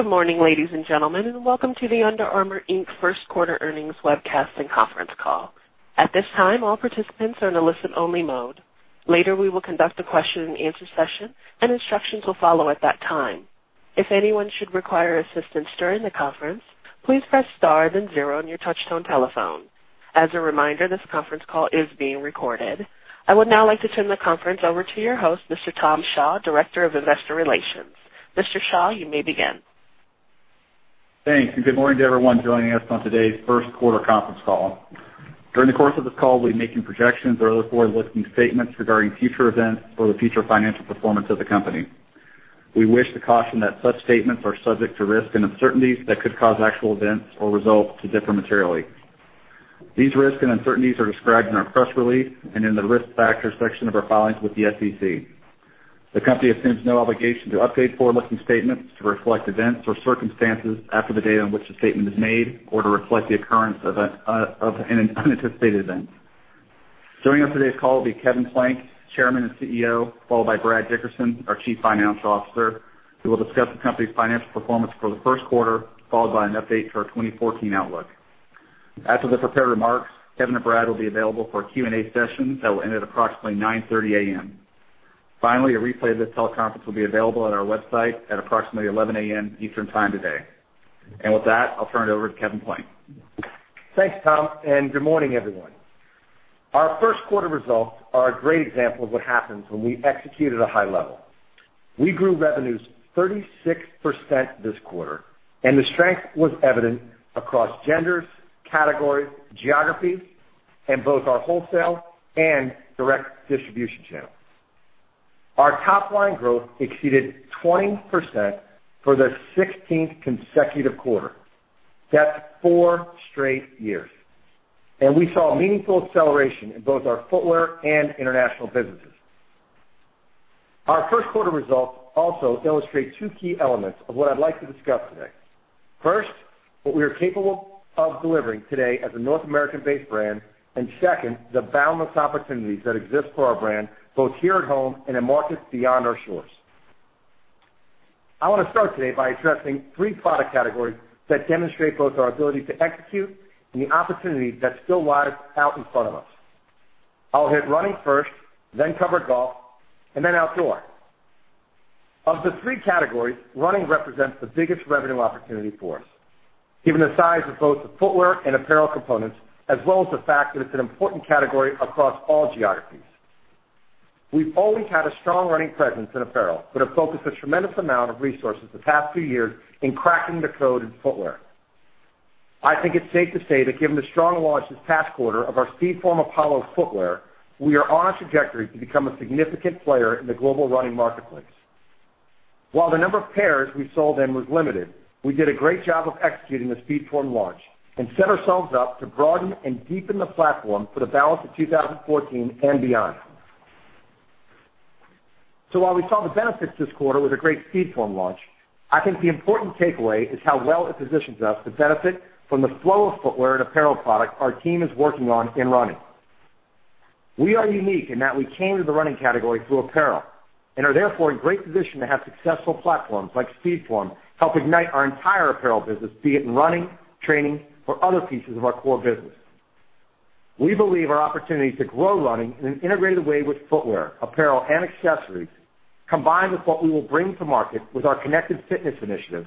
Good morning, ladies and gentlemen, and welcome to the Under Armour, Inc. First Quarter Earnings Webcast and Conference Call. At this time, all participants are in a listen-only mode. Later, we will conduct a question and answer session, and instructions will follow at that time. If anyone should require assistance during the conference, please press star then zero on your touchtone telephone. As a reminder, this conference call is being recorded. I would now like to turn the conference over to your host, Mr. Tom Shaw, Director of Investor Relations. Mr. Shaw, you may begin. Thanks. Good morning to everyone joining us on today's first quarter conference call. During the course of this call, we'll be making projections or other forward-looking statements regarding future events or the future financial performance of the company. We wish to caution that such statements are subject to risks and uncertainties that could cause actual events or results to differ materially. These risks and uncertainties are described in our press release and in the Risk Factors section of our filings with the SEC. The company assumes no obligation to update forward-looking statements to reflect events or circumstances after the date on which the statement is made or to reflect the occurrence of an unanticipated event. Joining us today's call will be Kevin Plank, Chairman and CEO, followed by Brad Dickerson, our Chief Financial Officer, who will discuss the company's financial performance for the first quarter, followed by an update to our 2014 outlook. After the prepared remarks, Kevin and Brad will be available for a Q&A session that will end at approximately 9:30 A.M. Finally, a replay of this teleconference will be available on our website at approximately 11:00 A.M. Eastern Time today. With that, I'll turn it over to Kevin Plank. Thanks, Tom. Good morning, everyone. Our first quarter results are a great example of what happens when we execute at a high level. We grew revenues 36% this quarter. The strength was evident across genders, categories, geographies, and both our wholesale and direct distribution channels. Our top-line growth exceeded 20% for the sixteenth consecutive quarter. That's four straight years. We saw meaningful acceleration in both our footwear and international businesses. Our first quarter results also illustrate two key elements of what I'd like to discuss today. First, what we are capable of delivering today as a North American-based brand, and second, the boundless opportunities that exist for our brand, both here at home and in markets beyond our shores. I want to start today by addressing three product categories that demonstrate both our ability to execute and the opportunity that still lies out in front of us. I'll hit running first, cover golf, and then outdoor. Of the three categories, running represents the biggest revenue opportunity for us, given the size of both the footwear and apparel components, as well as the fact that it's an important category across all geographies. We've always had a strong running presence in apparel but have focused a tremendous amount of resources the past few years in cracking the code in footwear. I think it's safe to say that given the strong launch this past quarter of our SpeedForm Apollo footwear, we are on a trajectory to become a significant player in the global running marketplace. While the number of pairs we sold then was limited, we did a great job of executing the SpeedForm launch and set ourselves up to broaden and deepen the platform for the balance of 2014 and beyond. While we saw the benefits this quarter with a great SpeedForm launch, I think the important takeaway is how well it positions us to benefit from the flow of footwear and apparel product our team is working on in running. We are unique in that we came to the running category through apparel and are therefore in great position to have successful platforms like SpeedForm help ignite our entire apparel business, be it in running, training, or other pieces of our core business. We believe our opportunity to grow running in an integrated way with footwear, apparel, and accessories, combined with what we will bring to market with our Connected Fitness Initiative,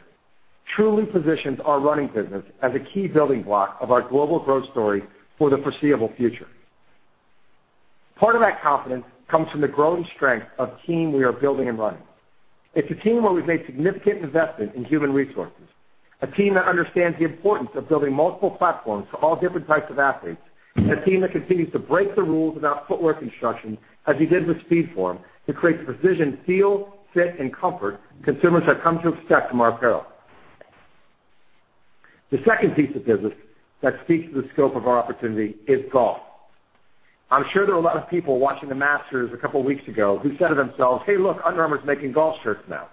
truly positions our running business as a key building block of our global growth story for the foreseeable future. Part of that confidence comes from the growing strength of the team we are building in running. It's a team where we've made significant investment in human resources, a team that understands the importance of building multiple platforms for all different types of athletes, and a team that continues to break the rules about footwear construction, as we did with SpeedForm, to create the precision, feel, fit, and comfort consumers have come to expect from our apparel. The second piece of business that speaks to the scope of our opportunity is golf. I'm sure there are a lot of people watching the Masters a couple of weeks ago who said to themselves, "Hey, look, Under Armour's making golf shirts now."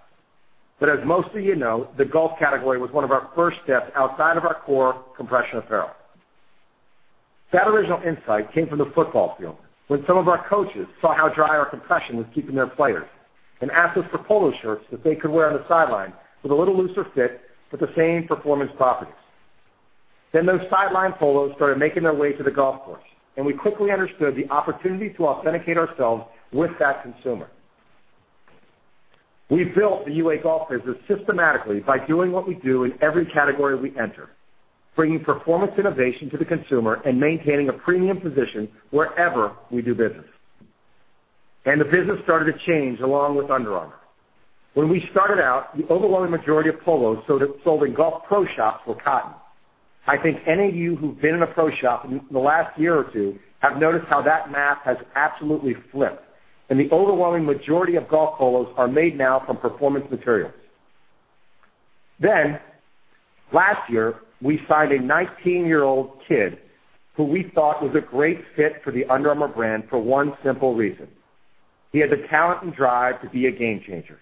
As most of you know, the golf category was one of our first steps outside of our core compression apparel. That original insight came from the football field when some of our coaches saw how dry our compression was keeping their players and asked us for polo shirts that they could wear on the sideline with a little looser fit but the same performance properties. Those sideline polos started making their way to the golf course, and we quickly understood the opportunity to authenticate ourselves with that consumer. We built the UA golf business systematically by doing what we do in every category we enter, bringing performance innovation to the consumer and maintaining a premium position wherever we do business. The business started to change along with Under Armour. When we started out, the overwhelming majority of polos sold in golf pro shops were cotton. I think any of you who've been in a pro shop in the last year or two have noticed how that map has absolutely flipped, and the overwhelming majority of golf polos are made now from performance materials. Last year, we signed a 19-year-old kid who we thought was a great fit for the Under Armour brand for one simple reason: He had the talent and drive to be a game-changer.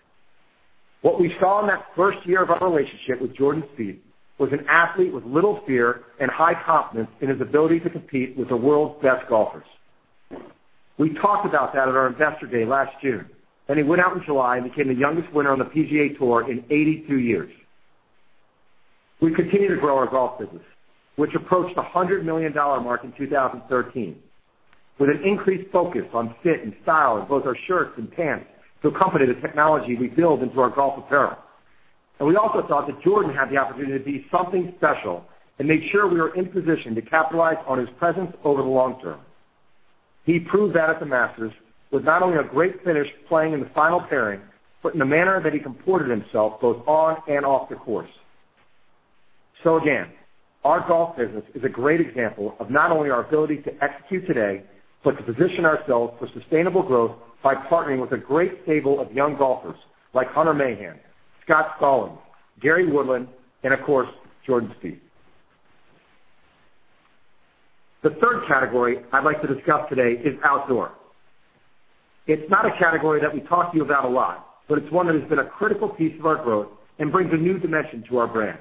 What we saw in that first year of our relationship with Jordan Spieth was an athlete with little fear and high confidence in his ability to compete with the world's best golfers. We talked about that at our investor day last June. He went out in July and became the youngest winner on the PGA Tour in 82 years. We continue to grow our golf business, which approached the $100 million mark in 2013, with an increased focus on fit and style in both our shirts and pants to accompany the technology we build into our golf apparel. We also thought that Jordan had the opportunity to be something special and made sure we were in position to capitalize on his presence over the long term. He proved that at the Masters with not only a great finish playing in the final pairing, but in the manner that he comported himself both on and off the course. Again, our golf business is a great example of not only our ability to execute today, but to position ourselves for sustainable growth by partnering with a great stable of young golfers like Hunter Mahan, Scott Stallings, Gary Woodland, and of course, Jordan Spieth. The third category I'd like to discuss today is outdoor. It's not a category that we talk to you about a lot, but it's one that has been a critical piece of our growth and brings a new dimension to our brand.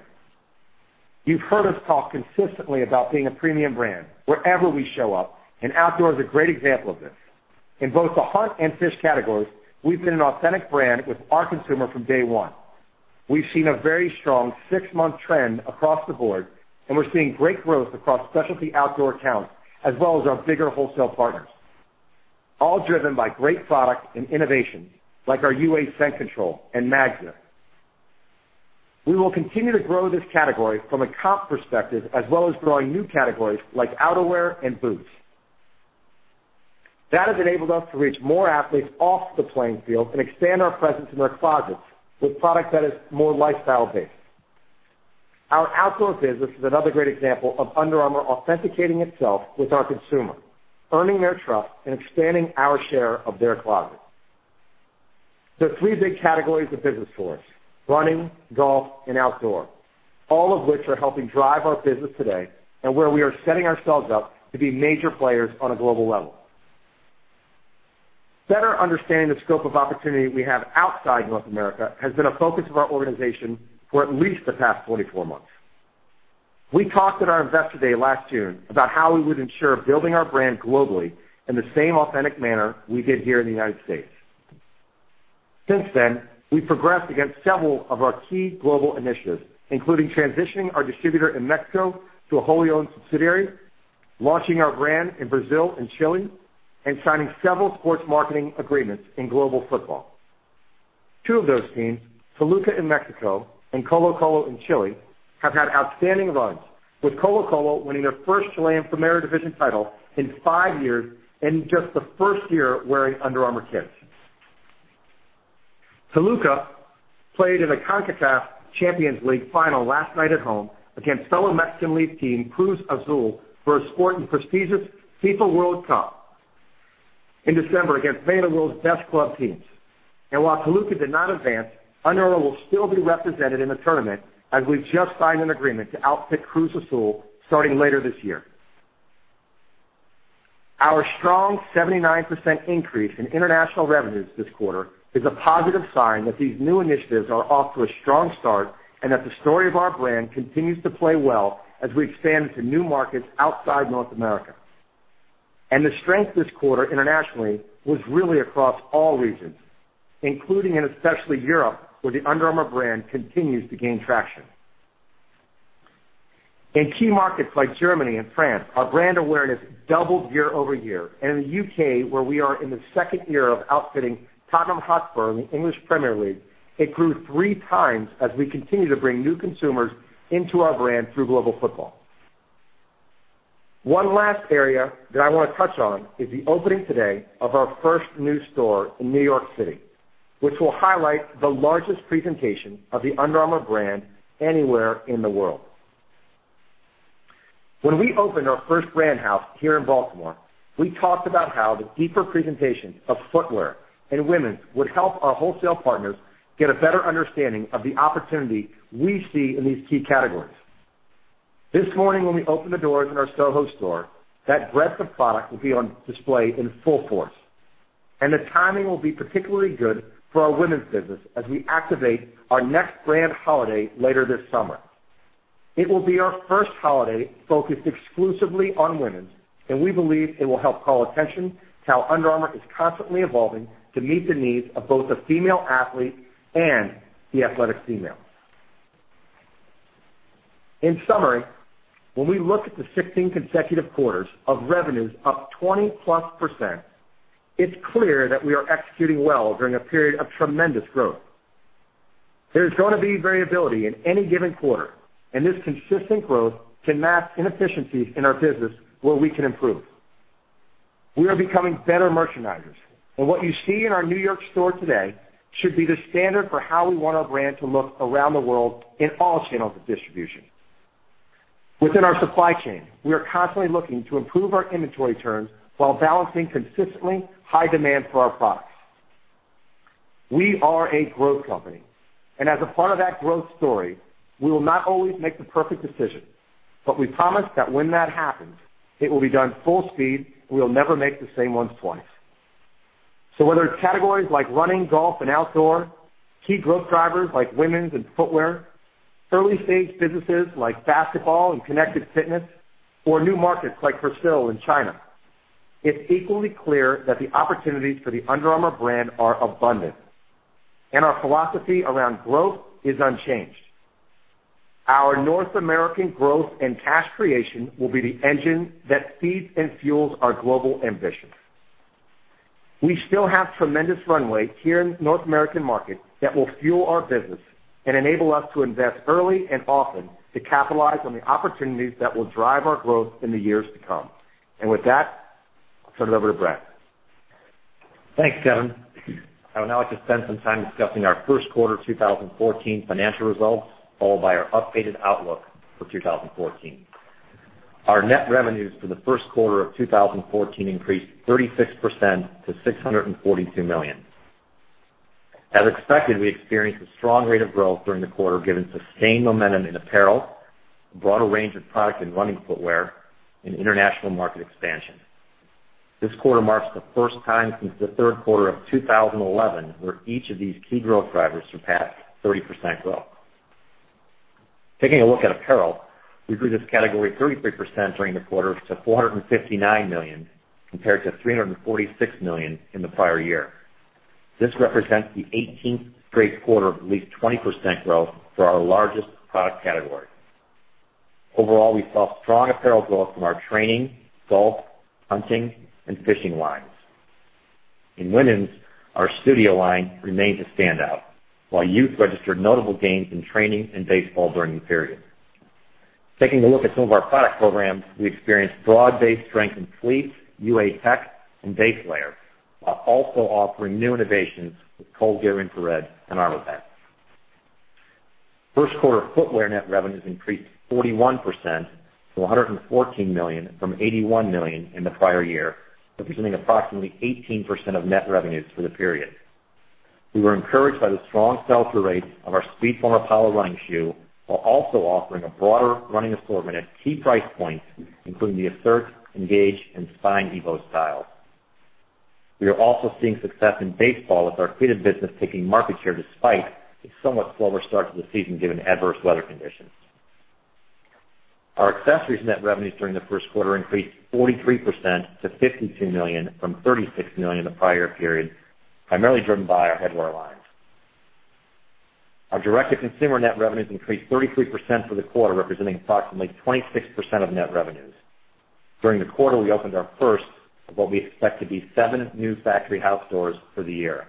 You've heard us talk consistently about being a premium brand wherever we show up. Outdoor is a great example of this. In both the hunt and fish categories, we've been an authentic brand with our consumer from day one. We've seen a very strong six-month trend across the board. We're seeing great growth across specialty outdoor accounts as well as our bigger wholesale partners, all driven by great product and innovation like our UA Scent Control and Magma. We will continue to grow this category from a comp perspective as well as growing new categories like outerwear and boots. That has enabled us to reach more athletes off the playing field and expand our presence in their closets with product that is more lifestyle-based. Our outdoor business is another great example of Under Armour authenticating itself with our consumer, earning their trust, and expanding our share of their closet. They're three big categories of business for us: running, golf, and outdoor, all of which are helping drive our business today and where we are setting ourselves up to be major players on a global level. Better understanding the scope of opportunity we have outside North America has been a focus of our organization for at least the past 24 months. We talked at our investor day last June about how we would ensure building our brand globally in the same authentic manner we did here in the U.S. Since then, we progressed against several of our key global initiatives, including transitioning our distributor in Mexico to a wholly owned subsidiary, launching our brand in Brazil and Chile, and signing several sports marketing agreements in global football. Two of those teams, Toluca in Mexico and Colo-Colo in Chile, have had outstanding runs, with Colo-Colo winning their first Chilean Primera División title in five years in just the first year wearing Under Armour kits. Toluca played in a CONCACAF Champions League final last night at home against fellow Mexican League team Cruz Azul for a sport in prestigious FIFA World Cup in December against many of the world's best club teams. While Toluca did not advance, Under Armour will still be represented in the tournament as we've just signed an agreement to outfit Cruz Azul starting later this year. Our strong 79% increase in international revenues this quarter is a positive sign that these new initiatives are off to a strong start and that the story of our brand continues to play well as we expand into new markets outside North America. The strength this quarter internationally was really across all regions, including and especially Europe, where the Under Armour brand continues to gain traction. In key markets like Germany and France, our brand awareness doubled year-over-year. In the U.K., where we are in the second year of outfitting Tottenham Hotspur in the English Premier League, it grew three times as we continue to bring new consumers into our brand through global football. One last area that I want to touch on is the opening today of our first new store in New York City, which will highlight the largest presentation of the Under Armour brand anywhere in the world. When we opened our first brand house here in Baltimore, we talked about how the deeper presentation of footwear and women's would help our wholesale partners get a better understanding of the opportunity we see in these key categories. This morning when we open the doors in our Soho store, that breadth of product will be on display in full force. The timing will be particularly good for our women's business as we activate our next brand holiday later this summer. It will be our first holiday focused exclusively on women's, and we believe it will help call attention to how Under Armour is constantly evolving to meet the needs of both the female athlete and the athletic female. In summary, when we look at the 16 consecutive quarters of revenues up 20-plus%, it's clear that we are executing well during a period of tremendous growth. There's going to be variability in any given quarter, and this consistent growth can mask inefficiencies in our business where we can improve. We are becoming better merchandisers, and what you see in our New York store today should be the standard for how we want our brand to look around the world in all channels of distribution. Within our supply chain, we are constantly looking to improve our inventory turns while balancing consistently high demand for our products. We are a growth company. As a part of that growth story, we will not always make the perfect decision. We promise that when that happens, it will be done full speed, and we will never make the same ones twice. Whether it's categories like running, golf, and outdoor, key growth drivers like women's and footwear, early-stage businesses like basketball and connected fitness, or new markets like Brazil and China, it's equally clear that the opportunities for the Under Armour brand are abundant, and our philosophy around growth is unchanged. Our North American growth and cash creation will be the engine that feeds and fuels our global ambitions. We still have tremendous runway here in the North American market that will fuel our business and enable us to invest early and often to capitalize on the opportunities that will drive our growth in the years to come. With that, I'll turn it over to Brad. Thanks, Kevin. I would now like to spend some time discussing our first quarter 2014 financial results, followed by our updated outlook for 2014. Our net revenues for the first quarter of 2014 increased 36% to $642 million. As expected, we experienced a strong rate of growth during the quarter, given sustained momentum in apparel, a broader range of product and running footwear, and international market expansion. This quarter marks the first time since the third quarter of 2011, where each of these key growth drivers surpassed 30% growth. Taking a look at apparel, we grew this category 33% during the quarter to $459 million, compared to $346 million in the prior year. This represents the 18th straight quarter of at least 20% growth for our largest product category. Overall, we saw strong apparel growth from our training, golf, hunting, and fishing lines. In women's, our studio line remains a standout, while youth registered notable gains in training and baseball during the period. Taking a look at some of our product programs, we experienced broad-based strength in Fleece, UA Tech, and Base Layer, while also offering new innovations with ColdGear Infrared and ArmourVent. First quarter footwear net revenues increased 41% to $114 million from $81 million in the prior year, representing approximately 18% of net revenues for the period. We were encouraged by the strong sell-through rate of our SpeedForm Apollo running shoe while also offering a broader running assortment at key price points, including the Assert, Engage, and Spine Evo styles. We are also seeing success in baseball with our cleated business taking market share despite the somewhat slower start to the season given adverse weather conditions. Our accessories net revenues during the first quarter increased 43% to $52 million from $36 million in the prior period, primarily driven by our headwear lines. Our direct-to-consumer net revenues increased 33% for the quarter, representing approximately 26% of net revenues. During the quarter, we opened our first of what we expect to be seven new factory house stores for the year.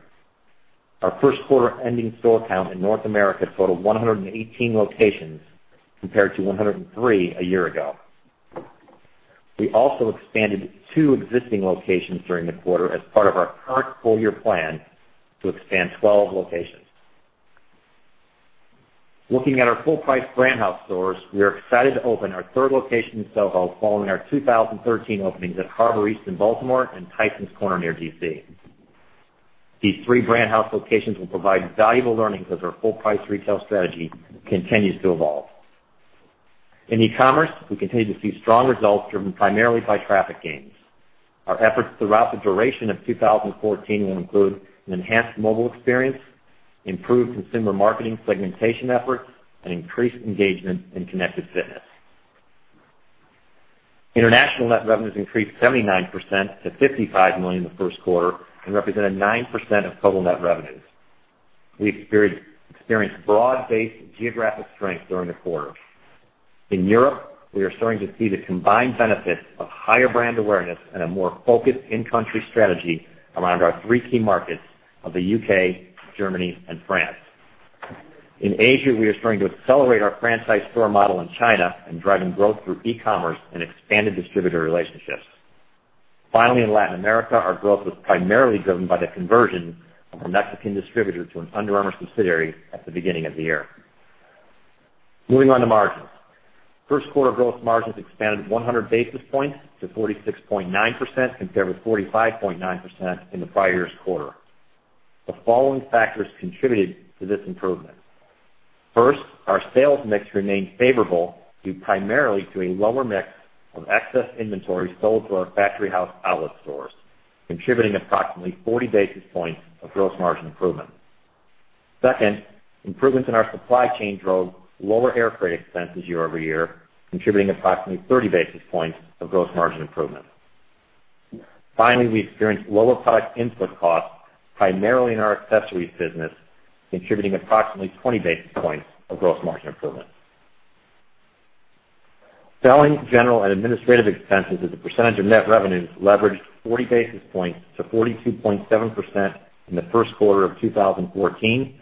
Our first quarter-ending store count in North America totaled 118 locations compared to 103 a year ago. We also expanded two existing locations during the quarter as part of our current full-year plan to expand 12 locations. Looking at our full-price brand house stores, we are excited to open our third location in Soho following our 2013 openings at Harbor East in Baltimore and Tysons Corner near D.C. These three brand house locations will provide valuable learnings as our full-price retail strategy continues to evolve. In e-commerce, we continue to see strong results driven primarily by traffic gains. Our efforts throughout the duration of 2014 will include an enhanced mobile experience, improved consumer marketing segmentation efforts, and increased engagement in connected fitness. International net revenues increased 79% to $55 million in the first quarter and represented 9% of total net revenues. We experienced broad-based geographic strength during the quarter. In Europe, we are starting to see the combined benefits of higher brand awareness and a more focused in-country strategy around our three key markets of the U.K., Germany, and France. In Asia, we are starting to accelerate our franchise store model in China and driving growth through e-commerce and expanded distributor relationships. Finally, in Latin America, our growth was primarily driven by the conversion of our Mexican distributor to an Under Armour subsidiary at the beginning of the year. Moving on to margins. First quarter gross margins expanded 100 basis points to 46.9%, compared with 45.9% in the prior year's quarter. The following factors contributed to this improvement. First, our sales mix remained favorable due primarily to a lower mix of excess inventory sold to our factory house outlet stores, contributing approximately 40 basis points of gross margin improvement. Second, improvements in our supply chain drove lower air freight expenses year-over-year, contributing approximately 30 basis points of gross margin improvement. Finally, we experienced lower product input costs primarily in our accessories business, contributing approximately 20 basis points of gross margin improvement. Selling, General, and Administrative Expenses as a percentage of net revenues leveraged 40 basis points to 42.7% in the first quarter of 2014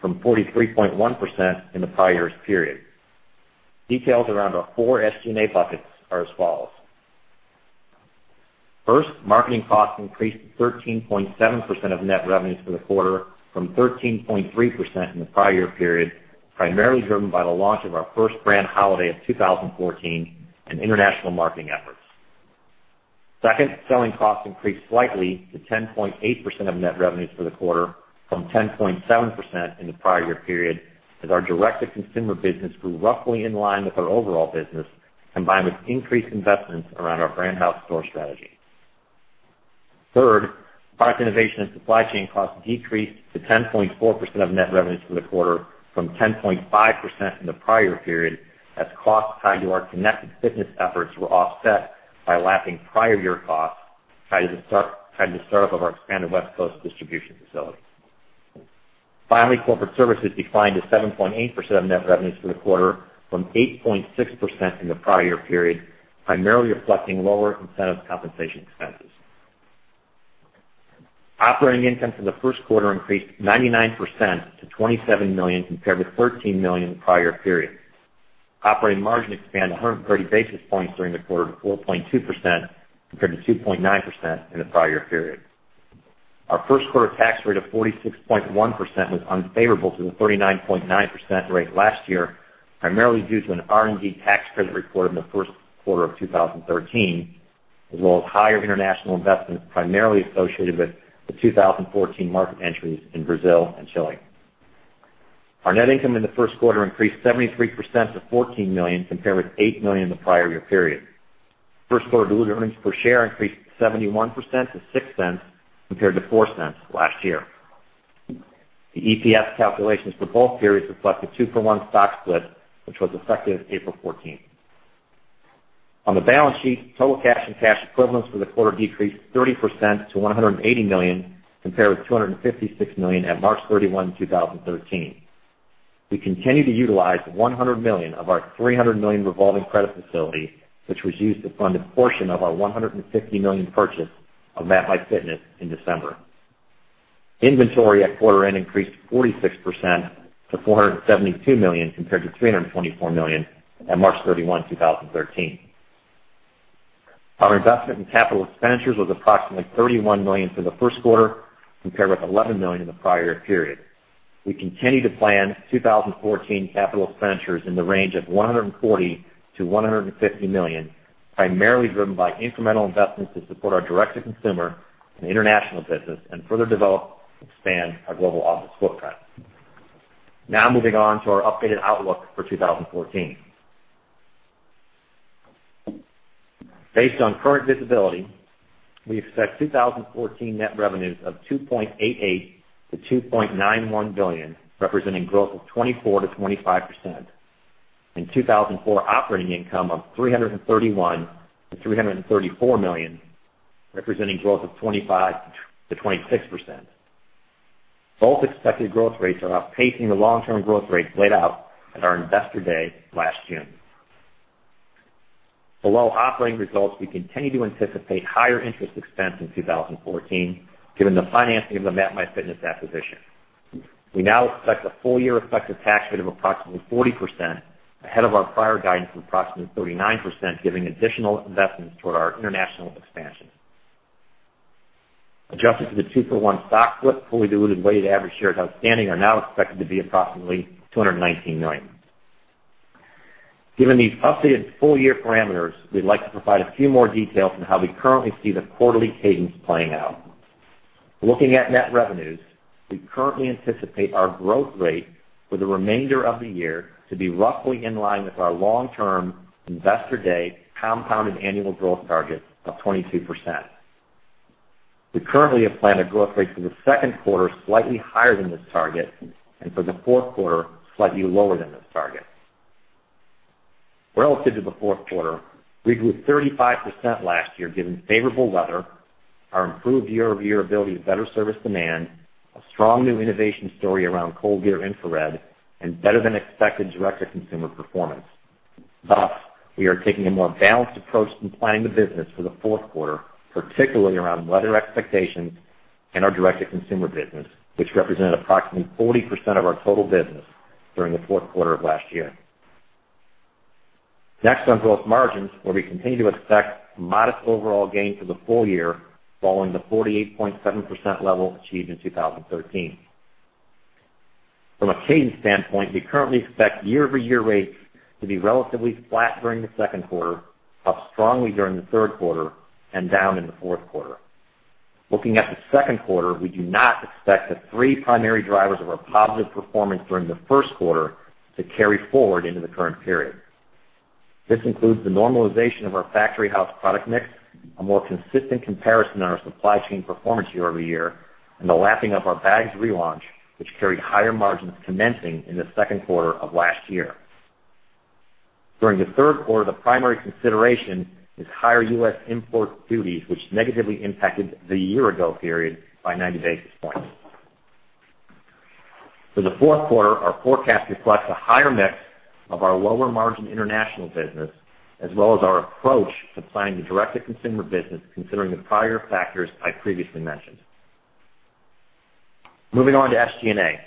from 43.1% in the prior year's period. Details around our four SG&A buckets are as follows. First, marketing costs increased to 13.7% of net revenues for the quarter from 13.3% in the prior year period, primarily driven by the launch of our first brand holiday of 2014 and international marketing efforts. Second, selling costs increased slightly to 10.8% of net revenues for the quarter from 10.7% in the prior year period as our direct-to-consumer business grew roughly in line with our overall business combined with increased investments around our brand house store strategy. Third, product innovation and supply chain costs decreased to 10.4% of net revenues for the quarter from 10.5% in the prior period, as costs tied to our connected fitness efforts were offset by lapping prior year costs tied to the start of our expanded West Coast distribution facility. Finally, corporate services declined to 7.8% of net revenues for the quarter from 8.6% in the prior year period, primarily reflecting lower incentive compensation expenses. Operating income for the first quarter increased 99% to $27 million, compared with $13 million in the prior period. Operating margin expanded 130 basis points during the quarter to 4.2%, compared to 2.9% in the prior year period. Our first quarter tax rate of 46.1% was unfavorable to the 39.9% rate last year, primarily due to an R&D tax credit recorded in the first quarter of 2013, as well as higher international investments primarily associated with the 2014 market entries in Brazil and Chile. Our net income in the first quarter increased 73% to $14 million, compared with $8 million in the prior year period. First quarter diluted earnings per share increased 71% to $0.06, compared to $0.04 last year. The EPS calculations for both periods reflect the two-for-one stock split, which was effective April 14th. On the balance sheet, total cash and cash equivalents for the quarter decreased 30% to $180 million, compared with $256 million at March 31, 2013. We continue to utilize $100 million of our $300 million revolving credit facility, which was used to fund a portion of our $150 million purchase of MapMyFitness in December. Inventory at quarter end increased 46% to $472 million, compared to $324 million at March 31, 2013. Our investment in capital expenditures was approximately $31 million for the first quarter, compared with $11 million in the prior period. We continue to plan 2014 capital expenditures in the range of $140 million-$150 million, primarily driven by incremental investments to support our direct-to-consumer and international business and further develop and expand our global office footprint. Moving on to our updated outlook for 2014. Based on current visibility, we expect 2014 net revenues of $2.88 billion-$2.91 billion, representing growth of 24%-25%, and 2014 operating income of $331 million-$334 million, representing growth of 25%-26%. Both expected growth rates are outpacing the long-term growth rates laid out at our investor day last June. Below operating results, we continue to anticipate higher interest expense in 2014 given the financing of the MapMyFitness acquisition. We now expect a full-year effective tax rate of approximately 40%, ahead of our prior guidance of approximately 39%, giving additional investments toward our international expansion. Adjusted to the two-for-one stock split, fully diluted weighted average shares outstanding are now expected to be approximately 219 million. Given these updated full-year parameters, we'd like to provide a few more details on how we currently see the quarterly cadence playing out. Looking at net revenues, we currently anticipate our growth rate for the remainder of the year to be roughly in line with our long-term investor day compounded annual growth target of 22%. We currently have planned a growth rate for the second quarter slightly higher than this target and for the fourth quarter, slightly lower than this target. Relative to the fourth quarter, we grew 35% last year, given favorable weather, our improved year-over-year ability to better service demand, a strong new innovation story around ColdGear Infrared, and better-than-expected direct-to-consumer performance. We are taking a more balanced approach in planning the business for the fourth quarter, particularly around weather expectations and our direct-to-consumer business, which represented approximately 40% of our total business during the fourth quarter of last year. Next, on gross margins, where we continue to expect modest overall gains for the full year, following the 48.7% level achieved in 2013. From a cadence standpoint, we currently expect year-over-year rates to be relatively flat during the second quarter, up strongly during the third quarter, and down in the fourth quarter. Looking at the second quarter, we do not expect the three primary drivers of our positive performance during the first quarter to carry forward into the current period. This includes the normalization of our factory house product mix, a more consistent comparison on our supply chain performance year-over-year, and the lapping of our bags relaunch, which carried higher margins commencing in the second quarter of last year. During the third quarter, the primary consideration is higher U.S. import duties, which negatively impacted the year-ago period by 90 basis points. For the fourth quarter, our forecast reflects a higher mix of our lower-margin international business, as well as our approach to planning the direct-to-consumer business, considering the prior factors I previously mentioned. Moving on to SG&A.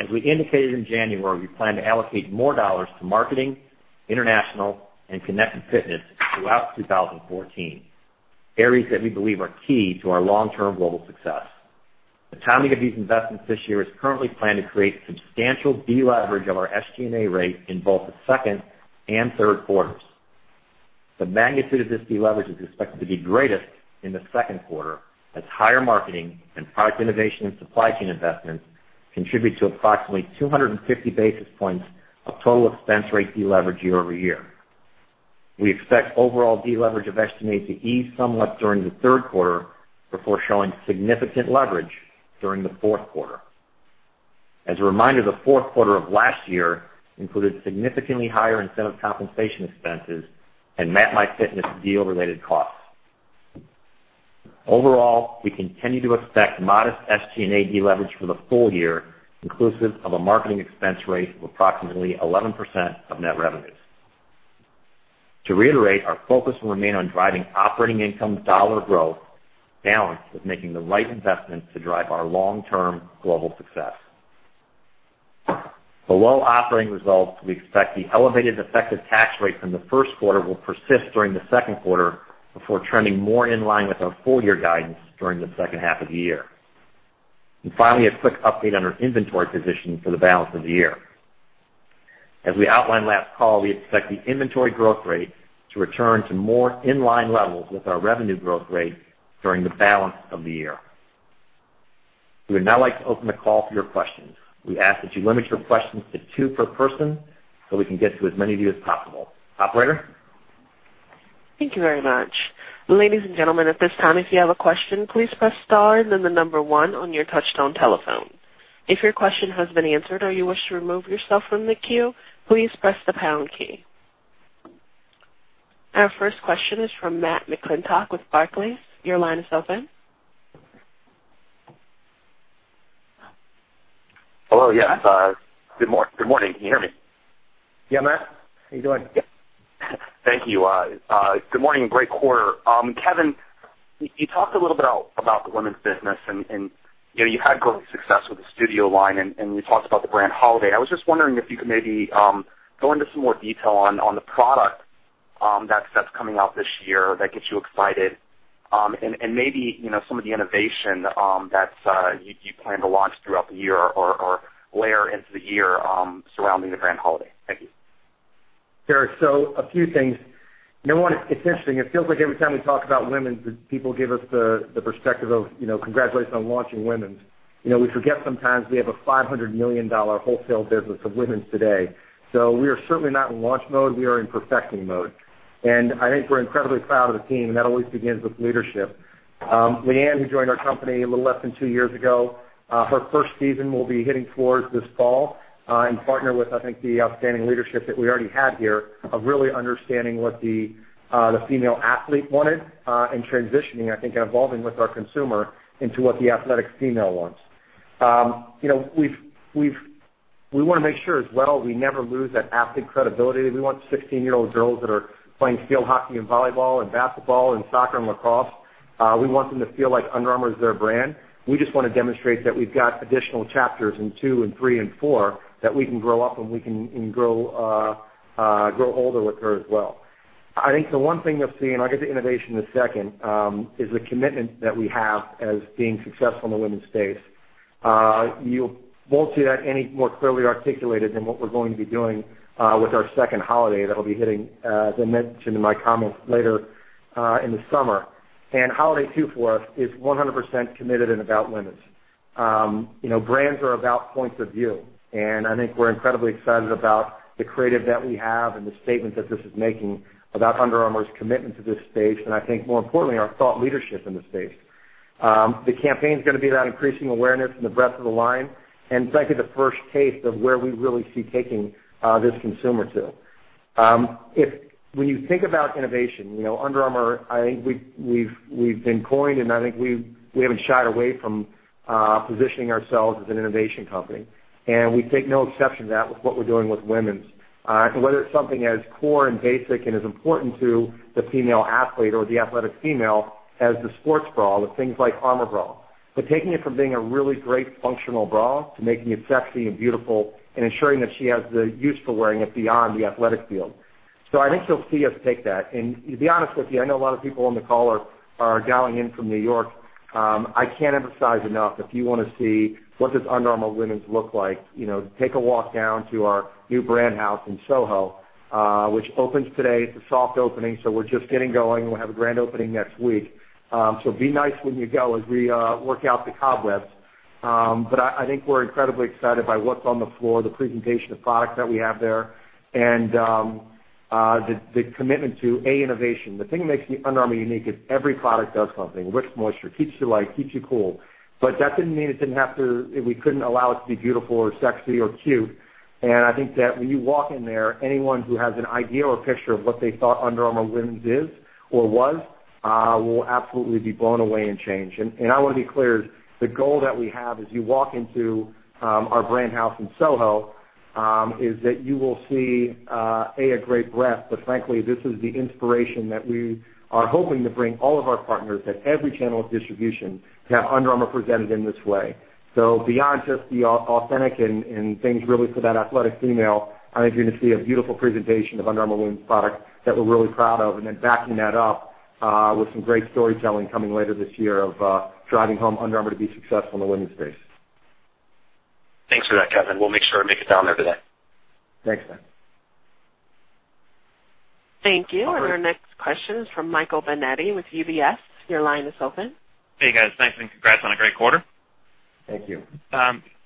As we indicated in January, we plan to allocate more dollars to marketing, international, and connected fitness throughout 2014, areas that we believe are key to our long-term global success. The timing of these investments this year is currently planned to create substantial deleverage of our SG&A rate in both the second and third quarters. The magnitude of this deleverage is expected to be greatest in the second quarter as higher marketing and product innovation and supply chain investments contribute to approximately 250 basis points of total expense rate deleverage year-over-year. We expect overall deleverage of estimate to ease somewhat during the third quarter before showing significant leverage during the fourth quarter. As a reminder, the fourth quarter of last year included significantly higher incentive compensation expenses and MapMyFitness deal-related costs. Overall, we continue to expect modest SG&A deleverage for the full year, inclusive of a marketing expense rate of approximately 11% of net revenues. To reiterate, our focus will remain on driving operating income dollar growth balanced with making the right investments to drive our long-term global success. Below operating results, we expect the elevated effective tax rate from the first quarter will persist during the second quarter before trending more in line with our full-year guidance during the second half of the year. Finally, a quick update on our inventory position for the balance of the year. As we outlined last call, we expect the inventory growth rate to return to more in-line levels with our revenue growth rate during the balance of the year. We would now like to open the call for your questions. We ask that you limit your questions to two per person so we can get to as many of you as possible. Operator? Thank you very much. Ladies and gentlemen, at this time, if you have a question, please press star and then the number 1 on your touchtone telephone. If your question has been answered or you wish to remove yourself from the queue, please press the pound key. Our first question is from Matthew McClintock with Barclays. Your line is open. Hello. Yes. Good morning. Can you hear me? Yeah, Matt. How you doing? Thank you. Good morning and great quarter. Kevin, you talked a little bit about the women's business, and you had growing success with the studio line, and we talked about the brand holiday. I was just wondering if you could maybe go into some more detail on the product that's coming out this year that gets you excited, and maybe some of the innovation that you plan to launch throughout the year or layer into the year surrounding the brand holiday. Thank you. Sure. A few things. Number one, it's interesting. It feels like every time we talk about women, people give us the perspective of congratulations on launching women's. We forget sometimes we have a $500 million wholesale business of women's today. We are certainly not in launch mode. We are in perfecting mode. I think we're incredibly proud of the team, and that always begins with leadership. Leanne, who joined our company a little less than two years ago, her first season will be hitting floors this fall in partner with, I think, the outstanding leadership that we already had here of really understanding what the female athlete wanted and transitioning, I think, and evolving with our consumer into what the athletic female wants. We want to make sure as well we never lose that athlete credibility. We want 16-year-old girls that are playing field hockey and volleyball and basketball and soccer and lacrosse. We want them to feel like Under Armour is their brand. We just want to demonstrate that we've got additional chapters in two and three and four that we can grow up and we can grow older with her as well. I think the one thing you'll see, and I'll get to innovation in a second, is the commitment that we have as being successful in the women's space. You won't see that any more clearly articulated than what we're going to be doing with our second holiday that'll be hitting, as I mentioned in my comments, later in the summer. Holiday two for us is 100% committed and about women's. Brands are about points of view. I think we're incredibly excited about the creative that we have and the statement that this is making about Under Armour's commitment to this space, I think more importantly, our thought leadership in the space. The campaign's going to be about increasing awareness and the breadth of the line, it's actually the first taste of where we really see taking this consumer to. When you think about innovation, Under Armour, I think we've been coined, I think we haven't shied away from positioning ourselves as an innovation company, and we take no exception to that with what we're doing with women's. Whether it's something as core and basic and as important to the female athlete or the athletic female as the sports bra with things like Armour Bra. Taking it from being a really great functional bra to making it sexy and beautiful and ensuring that she has the use for wearing it beyond the athletic field. I think you'll see us take that. To be honest with you, I know a lot of people on the call are dialing in from N.Y. I can't emphasize enough, if you want to see what does Under Armour women's look like, take a walk down to our new brand house in Soho which opens today. It's a soft opening, we're just getting going. We'll have a grand opening next week. Be nice when you go as we work out the cobwebs. I think we're incredibly excited by what's on the floor, the presentation of product that we have there and the commitment to, A, innovation. The thing that makes Under Armour unique is every product does something, wicks moisture, keeps you light, keeps you cool. That didn't mean we couldn't allow it to be beautiful or sexy or cute. I think that when you walk in there, anyone who has an idea or picture of what they thought Under Armour women's is or was will absolutely be blown away and change. I want to be clear, the goal that we have as you walk into our brand house in Soho is that you will see a great breadth, but frankly, this is the inspiration that we are hoping to bring all of our partners at every channel of distribution to have Under Armour presented in this way. Beyond just the authentic and things really for that athletic female, I think you're going to see a beautiful presentation of Under Armour women's product that we're really proud of, then backing that up with some great storytelling coming later this year of driving home Under Armour to be successful in the women's space. Thanks for that, Kevin. We'll make sure to make it down there for that. Thanks, Matt. Thank you. Our next question is from Michael Binetti with UBS. Your line is open. Hey, guys. Thanks, and congrats on a great quarter. Thank you.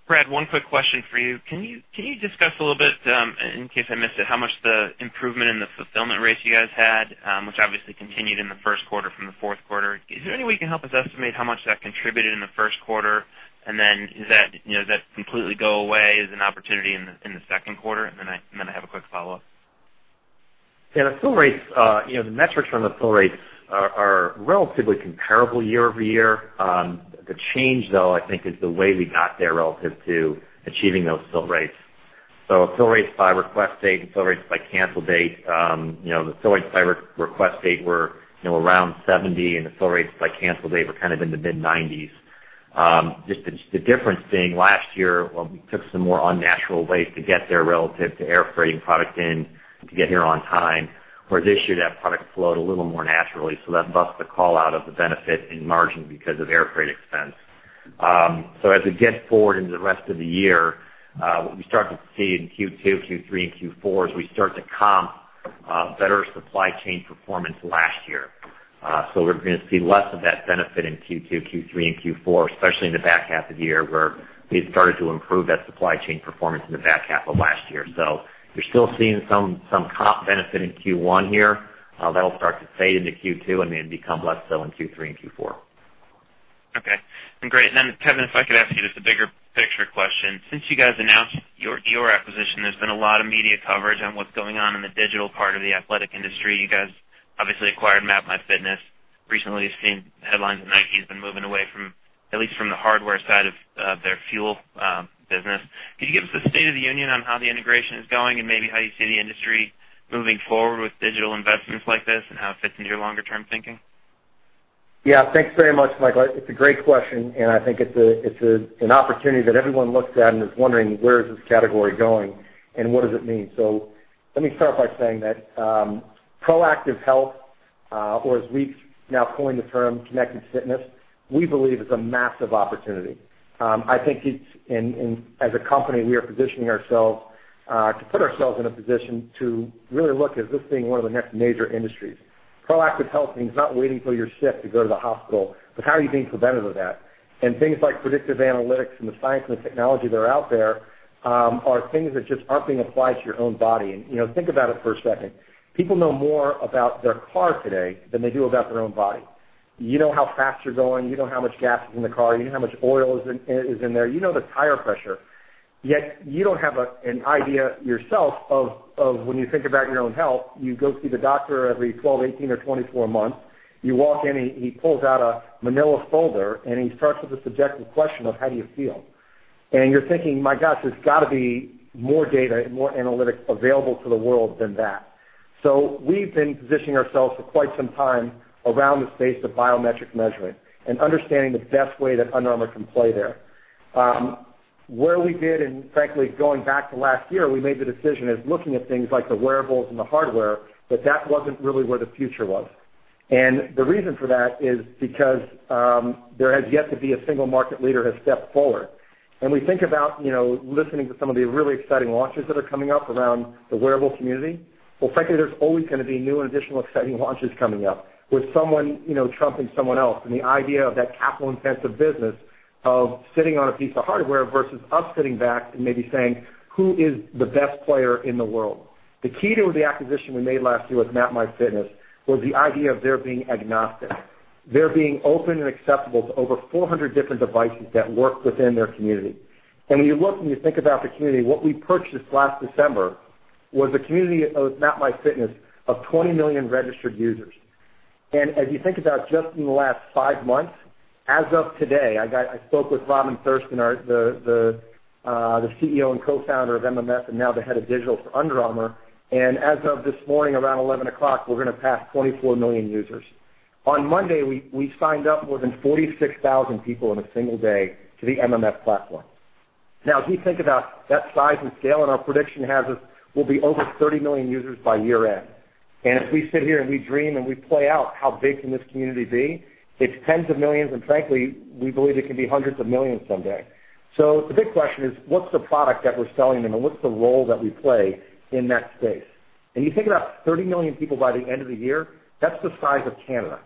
Brad, one quick question for you. Can you discuss a little bit, in case I missed it, how much the improvement in the fulfillment rates you guys had, which obviously continued in the first quarter from the fourth quarter? Is there any way you can help us estimate how much that contributed in the first quarter? Then does that completely go away as an opportunity in the second quarter? Then I have a quick follow-up. Yeah, the metrics from the fill rates are relatively comparable year-over-year. The change, though, I think, is the way we got there relative to achieving those fill rates. Fill rates by request date and fill rates by cancel date. The fill rates by request date were around 70, and the fill rates by cancel date were kind of in the mid-90s. Just the difference being last year, well, we took some more unnatural ways to get there relative to airfreighting product in to get here on time, whereas this year that product flowed a little more naturally, so that busts the call out of the benefit in margin because of air freight expense. As we get forward into the rest of the year, what we start to see in Q2, Q3, and Q4 is we start to comp better supply chain performance last year. We're going to see less of that benefit in Q2, Q3, and Q4, especially in the back half of the year where we had started to improve that supply chain performance in the back half of last year. You're still seeing some comp benefit in Q1 here. That'll start to fade into Q2 and then become less so in Q3 and Q4. Okay. Great. Then Kevin, if I could ask you just a bigger picture question. Since you guys announced your acquisition, there's been a lot of media coverage on what's going on in the digital part of the athletic industry. You guys obviously acquired MapMyFitness. Recently, we've seen headlines that Nike's been moving away from at least from the hardware side of their FuelBand business. Could you give us a state of the union on how the integration is going and maybe how you see the industry moving forward with digital investments like this and how it fits into your longer-term thinking? Yeah. Thanks very much, Michael. It's a great question, I think it's an opportunity that everyone looks at and is wondering, where is this category going and what does it mean? Let me start by saying that proactive health, or as we've now coined the term, connected fitness, we believe is a massive opportunity. I think as a company, we are positioning ourselves to put ourselves in a position to really look at this being one of the next major industries. Proactive health means not waiting till you're sick to go to the hospital, but how are you being preventative of that? Things like predictive analytics and the science and the technology that are out there are things that just aren't being applied to your own body. Think about it for a second. People know more about their car today than they do about their own body. You know how fast you're going. You know how much gas is in the car. You know how much oil is in there. You know the tire pressure. Yet you don't have an idea yourself of when you think about your own health, you go see the doctor every 12, 18, or 24 months. You walk in, and he pulls out a manila folder, and he starts with the subjective question of how do you feel? You're thinking, my gosh, there's got to be more data and more analytics available to the world than that. We've been positioning ourselves for quite some time around the space of biometric measurement and understanding the best way that Under Armour can play there. Where we did, frankly, going back to last year, we made the decision as looking at things like the wearables and the hardware, that wasn't really where the future was. The reason for that is because there has yet to be a single market leader has stepped forward. We think about listening to some of the really exciting launches that are coming up around the wearable community, frankly, there's always going to be new and additional exciting launches coming up with someone trumping someone else and the idea of that capital-intensive business of sitting on a piece of hardware versus us sitting back and maybe saying, who is the best player in the world? The key to the acquisition we made last year with Map My Fitness was the idea of their being agnostic, their being open and acceptable to over 400 different devices that work within their community. When you look and you think about the community, what we purchased last December was a community of Map My Fitness of 20 million registered users. As you think about just in the last five months, as of today, I spoke with Robin Thurston, the CEO and co-founder of MMF, and now the Head of Digital for Under Armour. As of this morning, around 11:00 A.M., we're going to pass 24 million users. On Monday, we signed up more than 46,000 people in a single day to the MMF platform. As we think about that size and scale and our prediction has us, we'll be over 30 million users by year-end. If we sit here and we dream and we play out how big can this community be, it's tens of millions, frankly, we believe it can be hundreds of millions someday. The big question is, what's the product that we're selling them and what's the role that we play in that space? You think about 30 million people by the end of the year, that's the size of Canada.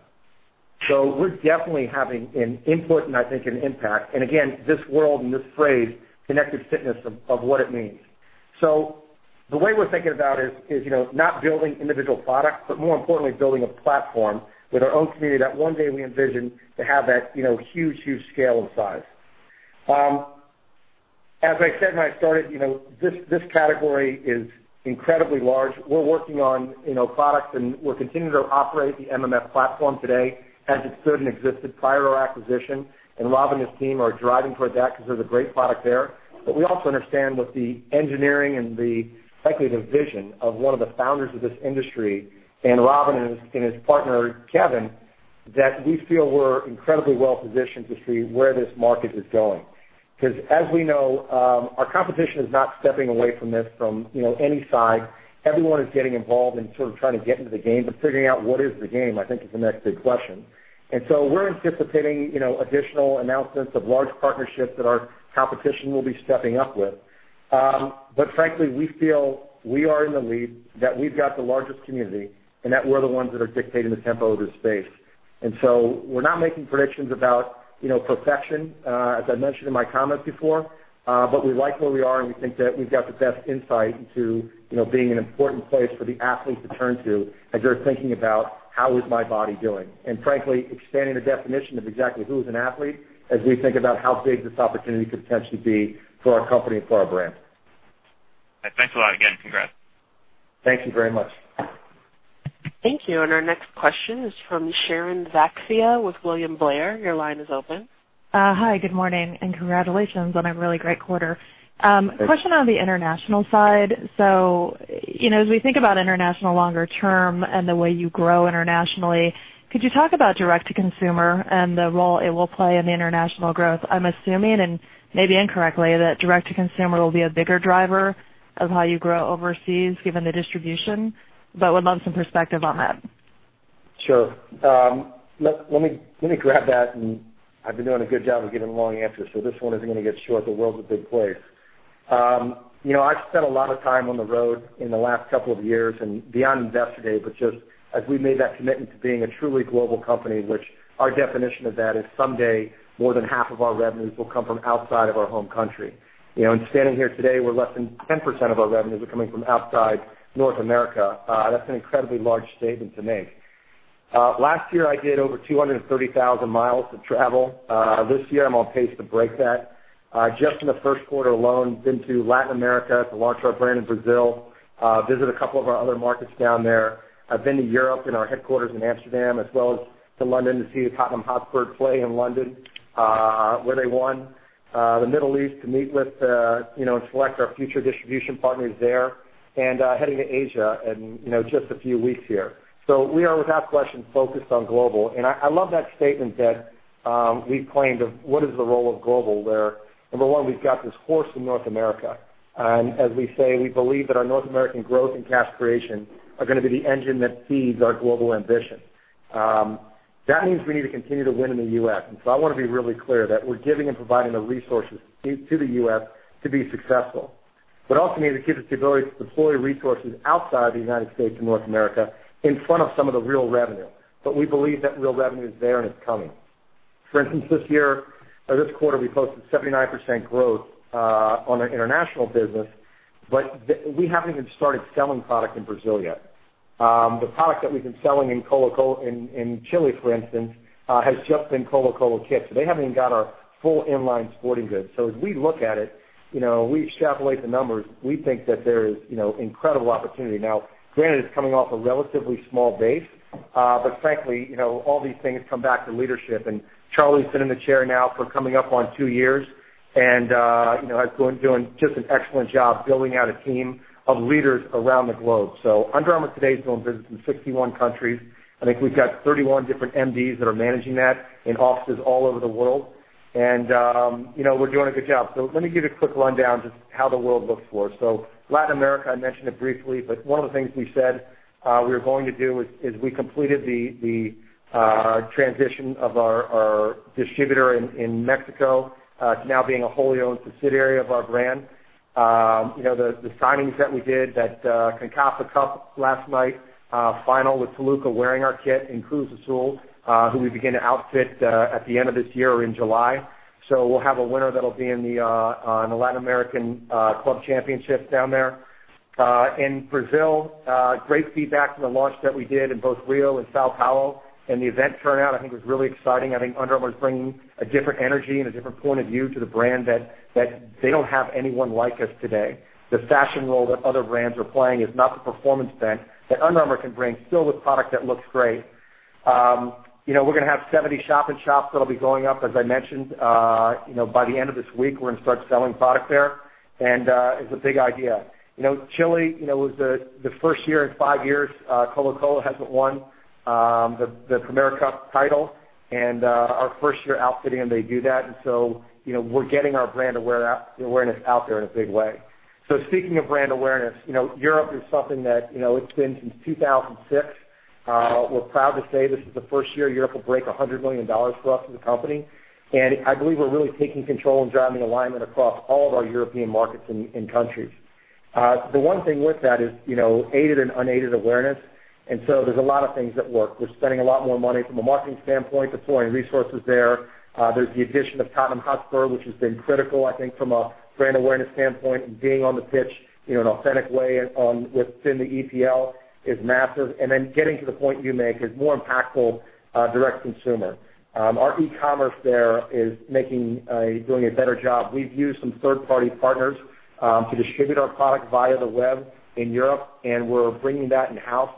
We're definitely having an input and I think an impact. Again, this world and this phrase, connected fitness of what it means. The way we're thinking about it is not building individual products, but more importantly, building a platform with our own community that one day we envision to have that huge scale and size. As I said when I started, this category is incredibly large. We're working on products, we're continuing to operate the MMF platform today as it stood and existed prior to our acquisition. Robin and his team are driving toward that because there's a great product there. We also understand what the engineering and the, frankly, the vision of one of the founders of this industry and Robin and his partner, Kevin. We feel we're incredibly well-positioned to see where this market is going. As we know, our competition is not stepping away from this from any side. Everyone is getting involved in sort of trying to get into the game, but figuring out what is the game, I think, is the next big question. We're anticipating additional announcements of large partnerships that our competition will be stepping up with. Frankly, we feel we are in the lead, that we've got the largest community, and that we're the ones that are dictating the tempo of the space. We're not making predictions about perfection, as I mentioned in my comments before, but we like where we are, and we think that we've got the best insight into being an important place for the athlete to turn to as they're thinking about, how is my body doing? Frankly, expanding the definition of exactly who is an athlete as we think about how big this opportunity could potentially be for our company and for our brand. Thanks a lot again. Congrats. Thank you very much. Thank you. Our next question is from Sharon Zackfia with William Blair. Your line is open. Hi, good morning. Congratulations on a really great quarter. Thanks. Question on the international side. As we think about international longer term and the way you grow internationally, could you talk about direct-to-consumer and the role it will play in the international growth? I'm assuming, and maybe incorrectly, that direct-to-consumer will be a bigger driver of how you grow overseas, given the distribution, but would love some perspective on that. Sure. Let me grab that, and I've been doing a good job of giving long answers, so this one isn't going to get short. The world's a big place. I've spent a lot of time on the road in the last couple of years and beyond Investor Day, but just as we made that commitment to being a truly global company, which our definition of that is someday more than half of our revenues will come from outside of our home country. Standing here today, we're less than 10% of our revenues are coming from outside North America. That's an incredibly large statement to make. Last year, I did over 230,000 miles of travel. This year, I'm on pace to break that. Just in the first quarter alone, been to Latin America to launch our brand in Brazil, visit a couple of our other markets down there. I've been to Europe in our headquarters in Amsterdam as well as to London to see Tottenham Hotspur play in London, where they won. The Middle East to meet with and select our future distribution partners there. Heading to Asia in just a few weeks here. We are, without question, focused on global. I love that statement that we've claimed of what is the role of global where, number one, we've got this horse in North America. As we say, we believe that our North American growth and cash creation are going to be the engine that feeds our global ambition. That means we need to continue to win in the U.S. I want to be really clear that we're giving and providing the resources to the U.S. to be successful. Also means it gives us the ability to deploy resources outside the United States and North America in front of some of the real revenue. We believe that real revenue is there and it's coming. For instance, this year or this quarter, we posted 79% growth on our international business, but we haven't even started selling product in Brazil yet. The product that we've been selling in Chile, for instance, has just been Colo-Colo kits. They haven't even got our full inline sporting goods. As we look at it, we extrapolate the numbers, we think that there is incredible opportunity. Now, granted, it's coming off a relatively small base, but frankly, all these things come back to leadership. Charlie's been in the chair now for coming up on 2 years and has been doing just an excellent job building out a team of leaders around the globe. Under Armour today is doing business in 61 countries. I think we've got 31 different MDs that are managing that in offices all over the world. We're doing a good job. Let me give you a quick rundown just how the world looks for us. Latin America, I mentioned it briefly, but one of the things we said we were going to do is we completed the transition of our distributor in Mexico to now being a wholly owned subsidiary of our brand. The signings that we did, that CONCACAF Cup last night, final with Toluca wearing our kit, and Cruz Azul, who we begin to outfit at the end of this year or in July. We'll have a winner that'll be in the Latin American Club Championship down there. In Brazil, great feedback from the launch that we did in both Rio and São Paulo, and the event turnout, I think, was really exciting. I think Under Armour is bringing a different energy and a different point of view to the brand that they don't have anyone like us today. The fashion role that other brands are playing is not the performance bent that Under Armour can bring still with product that looks great. We're going to have 70 shop in shops that'll be going up, as I mentioned. By the end of this week, we're going to start selling product there. It's a big idea. Chile was the first year in 5 years Colo-Colo hasn't won the Premier Cup title, and our first year outfitting them, they do that. We're getting our brand awareness out there in a big way. Speaking of brand awareness, Europe is something that it's been since 2006. We're proud to say this is the first year Europe will break $100 million for us as a company. I believe we're really taking control and driving alignment across all of our European markets and countries. The one thing with that is aided and unaided awareness, there's a lot of things at work. We're spending a lot more money from a marketing standpoint, deploying resources there. There's the addition of Tottenham Hotspur, which has been critical, I think, from a brand awareness standpoint, and being on the pitch in an authentic way within the EPL is massive. Getting to the point you make is more impactful direct-to-consumer. Our e-commerce there is doing a better job. We've used some third-party partners to distribute our product via the web in Europe. We're bringing that in-house.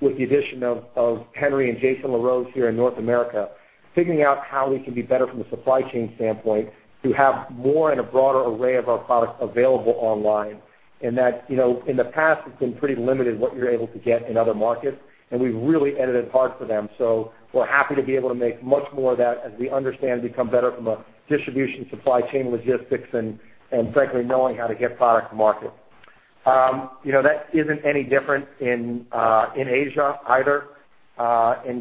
With the addition of Henry and Jason LaRose here in North America, figuring out how we can be better from a supply chain standpoint to have more and a broader array of our products available online. That in the past, it's been pretty limited what you're able to get in other markets, and we've really edited hard for them. We're happy to be able to make much more of that as we understand and become better from a distribution, supply chain, logistics, and frankly, knowing how to get product to market. That isn't any different in Asia either.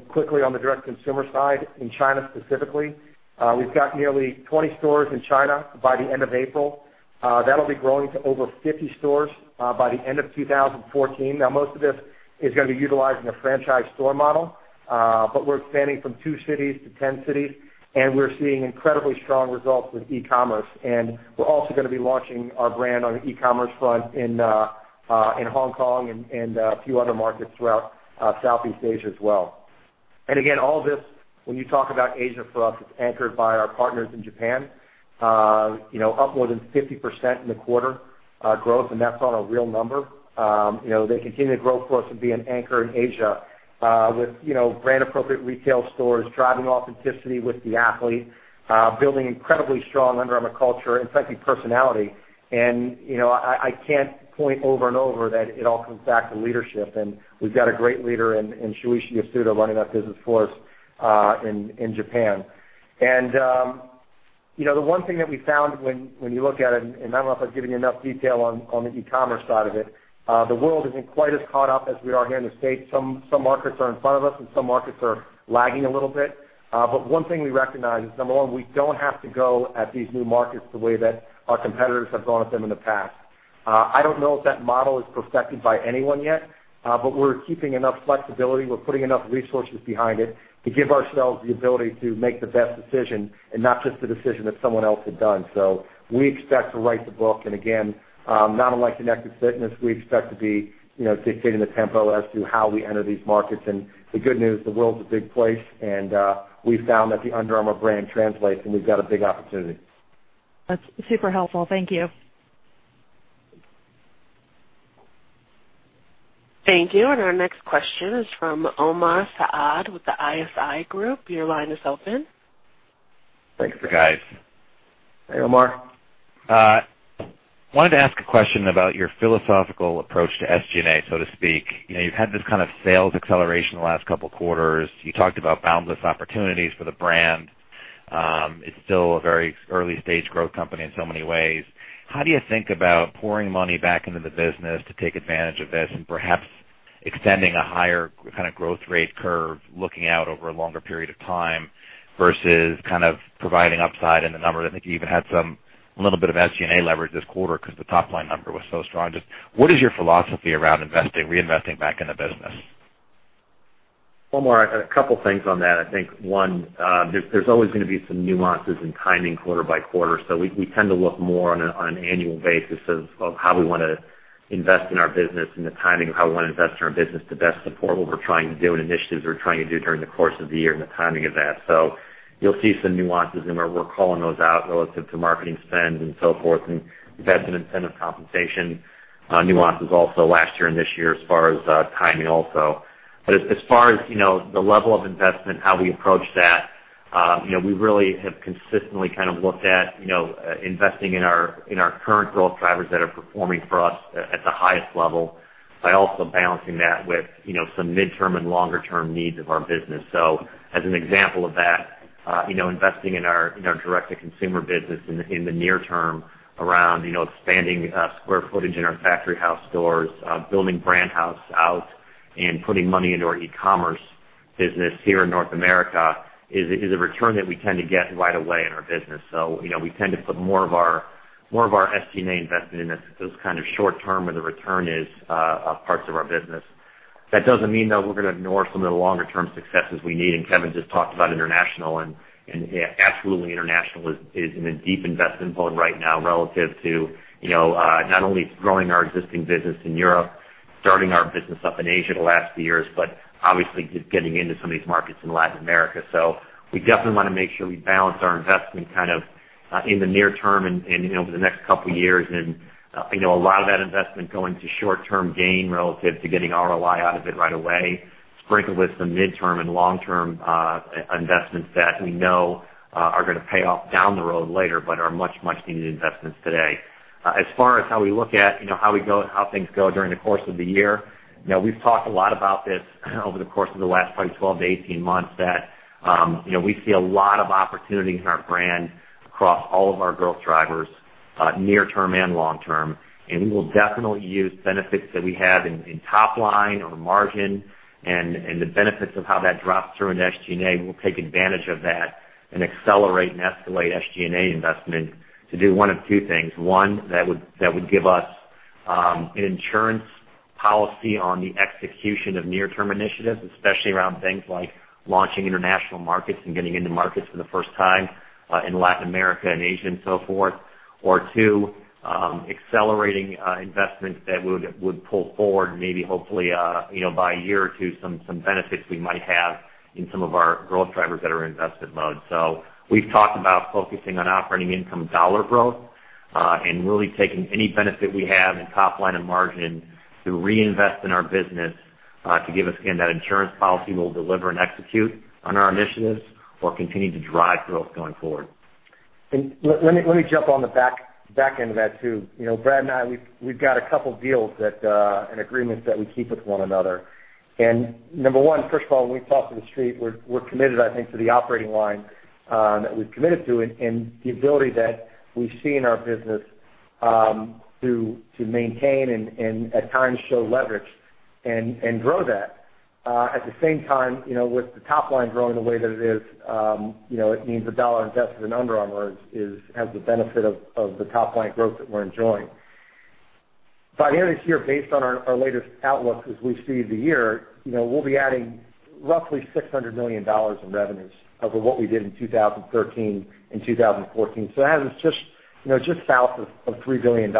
Quickly on the direct-to-consumer side, in China specifically, we've got nearly 20 stores in China by the end of April. That'll be growing to over 50 stores by the end of 2014. Now, most of this is going to be utilizing a franchise store model, but we're expanding from two cities to 10 cities. We're seeing incredibly strong results with e-commerce. We're also going to be launching our brand on the e-commerce front in Hong Kong and a few other markets throughout Southeast Asia as well. Again, all this, when you talk about Asia for us, it's anchored by our partners in Japan, up more than 50% in the quarter growth. That's on a real number. They continue to grow for us and be an anchor in Asia with brand-appropriate retail stores, driving authenticity with the athlete, building incredibly strong Under Armour culture, in fact, the personality. I can't point over and over that it all comes back to leadership. We've got a great leader in Shuichi Yasuda running that business for us in Japan. The one thing that we found when you look at it, I don't know if I've given you enough detail on the e-commerce side of it, the world isn't quite as caught up as we are here in the U.S. Some markets are in front of us, some markets are lagging a little bit. One thing we recognize is, number 1, we don't have to go at these new markets the way that our competitors have gone at them in the past. I don't know if that model is perfected by anyone yet, we're keeping enough flexibility, we're putting enough resources behind it to give ourselves the ability to make the best decision and not just the decision that someone else had done. We expect to write the book, again, not unlike connected fitness, we expect to be dictating the tempo as to how we enter these markets. The good news, the world's a big place, we've found that the Under Armour brand translates, we've got a big opportunity. That's super helpful. Thank you. Thank you. Our next question is from Omar Saad with the ISI Group. Your line is open. Thanks, guys. Hey, Omar. I wanted to ask a question about your philosophical approach to SG&A, so to speak. You've had this kind of sales acceleration the last couple of quarters. You talked about boundless opportunities for the brand. It's still a very early-stage growth company in so many ways. How do you think about pouring money back into the business to take advantage of this and perhaps extending a higher kind of growth rate curve, looking out over a longer period of time versus providing upside in the numbers? I think you even had a little bit of SG&A leverage this quarter because the top-line number was so strong. Just what is your philosophy around investing, reinvesting back in the business? Omar, a couple things on that. I think one, there's always going to be some nuances in timing quarter-by-quarter. We tend to look more on an annual basis of how we want to invest in our business and the timing of how we want to invest in our business to best support what we're trying to do and initiatives we're trying to do during the course of the year and the timing of that. You'll see some nuances in where we're calling those out relative to marketing spend and so forth, and investment incentive compensation nuances also last year and this year as far as timing also. As far as the level of investment, how we approach that, we really have consistently kind of looked at investing in our current growth drivers that are performing for us at the highest level by also balancing that with some midterm and longer-term needs of our business. As an example of that, investing in our direct-to-consumer business in the near term around expanding square footage in our factory house stores, building brand house out and putting money into our e-commerce business here in North America is a return that we tend to get right away in our business. We tend to put more of our SG&A investment in those kind of short term where the return is parts of our business. That doesn't mean, though, we're going to ignore some of the longer-term successes we need. Kevin just talked about international, and absolutely international is in a deep investment mode right now relative to not only growing our existing business in Europe, starting our business up in Asia the last few years, but obviously just getting into some of these markets in Latin America. We definitely want to make sure we balance our investment kind of in the near term and over the next couple of years. A lot of that investment going to short-term gain relative to getting ROI out of it right away, sprinkled with some midterm and long-term investments that we know are going to pay off down the road later, but are much needed investments today. As far as how we look at how things go during the course of the year, we've talked a lot about this over the course of the last probably 12-18 months that we see a lot of opportunity in our brand across all of our growth drivers, near term and long term, and we will definitely use benefits that we have in top line or margin and the benefits of how that drops through into SG&A. We'll take advantage of that and accelerate and escalate SG&A investment to do one of two things. One, that would give us an insurance policy on the execution of near-term initiatives, especially around things like launching international markets and getting into markets for the first time in Latin America and Asia and so forth. Two, accelerating investments that would pull forward maybe hopefully by a year or two, some benefits we might have in some of our growth drivers that are in investment mode. We've talked about focusing on operating income dollar growth and really taking any benefit we have in top line and margin to reinvest in our business to give us, again, that insurance policy we'll deliver and execute on our initiatives or continue to drive growth going forward. Let me jump on the back end of that, too. Brad and I, we've got a couple deals and agreements that we keep with one another. Number one, first of all, when we talk to the street, we're committed, I think, to the operating line that we've committed to and the ability that we see in our business to maintain and at times show leverage and grow that. At the same time, with the top line growing the way that it is, it means a dollar invested in Under Armour has the benefit of the top-line growth that we're enjoying. Financially here, based on our latest outlook, as we see the year, we'll be adding roughly $600 million in revenues over what we did in 2013 and 2014. That is just south of $3 billion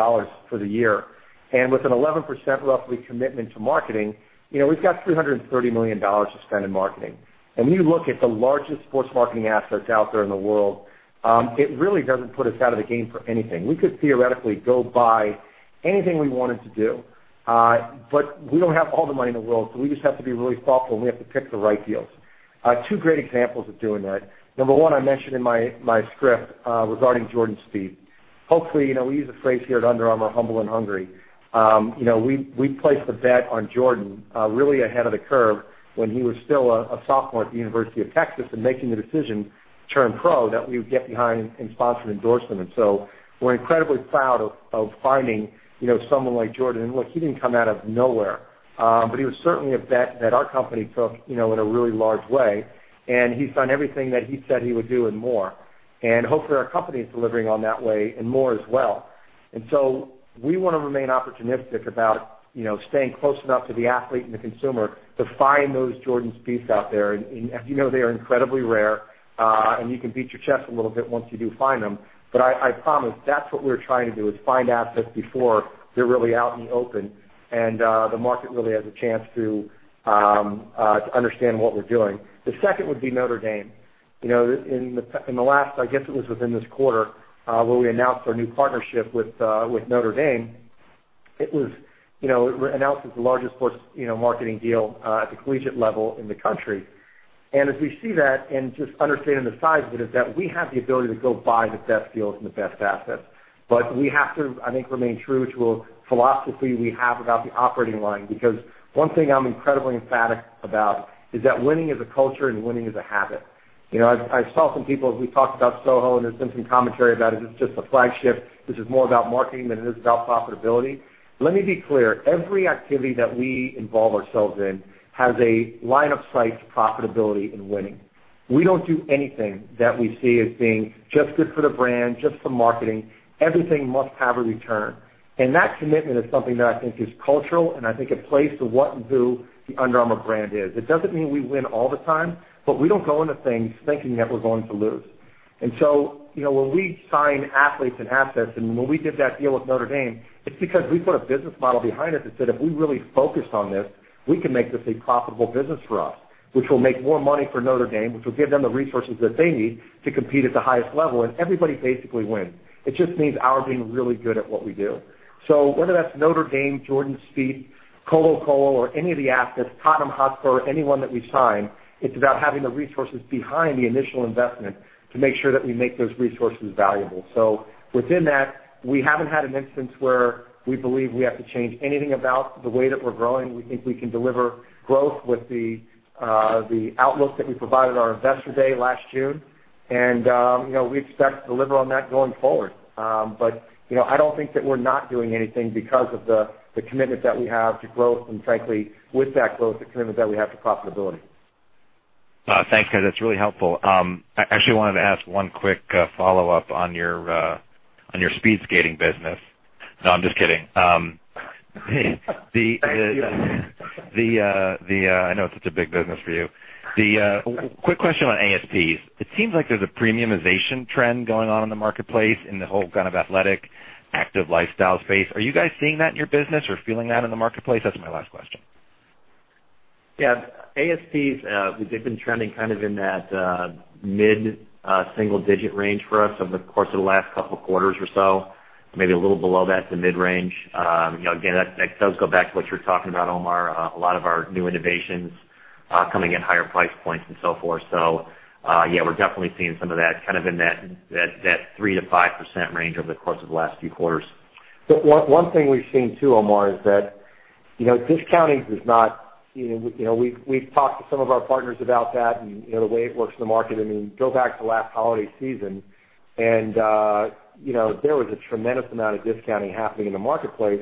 for the year. With an 11% roughly commitment to marketing, we've got $330 million to spend in marketing. When you look at the largest sports marketing assets out there in the world, it really doesn't put us out of the game for anything. We could theoretically go buy anything we wanted to do, but we don't have all the money in the world, we just have to be really thoughtful, and we have to pick the right deals. Two great examples of doing that. Number one, I mentioned in my script, regarding Jordan Spieth. Hopefully, we use a phrase here at Under Armour, humble and hungry. We placed a bet on Jordan really ahead of the curve when he was still a sophomore at the University of Texas and making the decision to turn pro, that we would get behind and sponsor an endorsement. We're incredibly proud of finding someone like Jordan. Look, he didn't come out of nowhere. He was certainly a bet that our company took in a really large way, and he's done everything that he said he would do and more. Hopefully our company is delivering on that way and more as well. We want to remain opportunistic about staying close enough to the athlete and the consumer to find those Jordan Spieths out there. As you know, they are incredibly rare, and you can beat your chest a little bit once you do find them. I promise that's what we're trying to do, is find assets before they're really out in the open and the market really has a chance to understand what we're doing. The second would be Notre Dame. In the last, I guess it was within this quarter, where we announced our new partnership with Notre Dame. It was announced as the largest sports marketing deal at the collegiate level in the country. As we see that and just understanding the size of it, is that we have the ability to go buy the best deals and the best assets. We have to, I think, remain true to a philosophy we have about the operating line. One thing I'm incredibly emphatic about is that winning is a culture, and winning is a habit. I saw some people as we talked about Soho, and there's been some commentary about it. It's just a flagship. This is more about marketing than it is about profitability. Let me be clear. Every activity that we involve ourselves in has a line of sight to profitability and winning. We don't do anything that we see as being just good for the brand, just for marketing. Everything must have a return. That commitment is something that I think is cultural, and I think it plays to what and who the Under Armour brand is. It doesn't mean we win all the time, but we don't go into things thinking that we're going to lose. When we sign athletes and assets, and when we did that deal with Notre Dame, it's because we put a business model behind it that said, if we really focus on this, we can make this a profitable business for us. Which will make more money for Notre Dame, which will give them the resources that they need to compete at the highest level, and everybody basically wins. It just means our being really good at what we do. Whether that's Notre Dame, Jordan Spieth, Colo-Colo, or any of the assets, Tottenham Hotspur, anyone that we sign, it's about having the resources behind the initial investment to make sure that we make those resources valuable. Within that, we haven't had an instance where we believe we have to change anything about the way that we're growing. We think we can deliver growth with the outlook that we provided on our investor day last June. We expect to deliver on that going forward. I don't think that we're not doing anything because of the commitment that we have to growth, and frankly, with that growth, the commitment that we have to profitability. Thanks, guys. That's really helpful. I actually wanted to ask one quick follow-up on your speed skating business. No, I'm just kidding. Thank you. I know it's such a big business for you. Quick question on ASPs. It seems like there's a premiumization trend going on in the marketplace in the whole kind of athletic, active lifestyle space. Are you guys seeing that in your business or feeling that in the marketplace? That's my last question. Yeah. ASPs, they've been trending kind of in that mid-single digit range for us over the course of the last two quarters or so, maybe a little below that to mid-range. Again, that does go back to what you're talking about, Omar. A lot of our new innovations coming at higher price points and so forth. Yeah, we're definitely seeing some of that kind of in that 3%-5% range over the course of the last few quarters. One thing we've seen, too, Omar, is that we've talked to some of our partners about that and the way it works in the market. You go back to last holiday season, and there was a tremendous amount of discounting happening in the marketplace.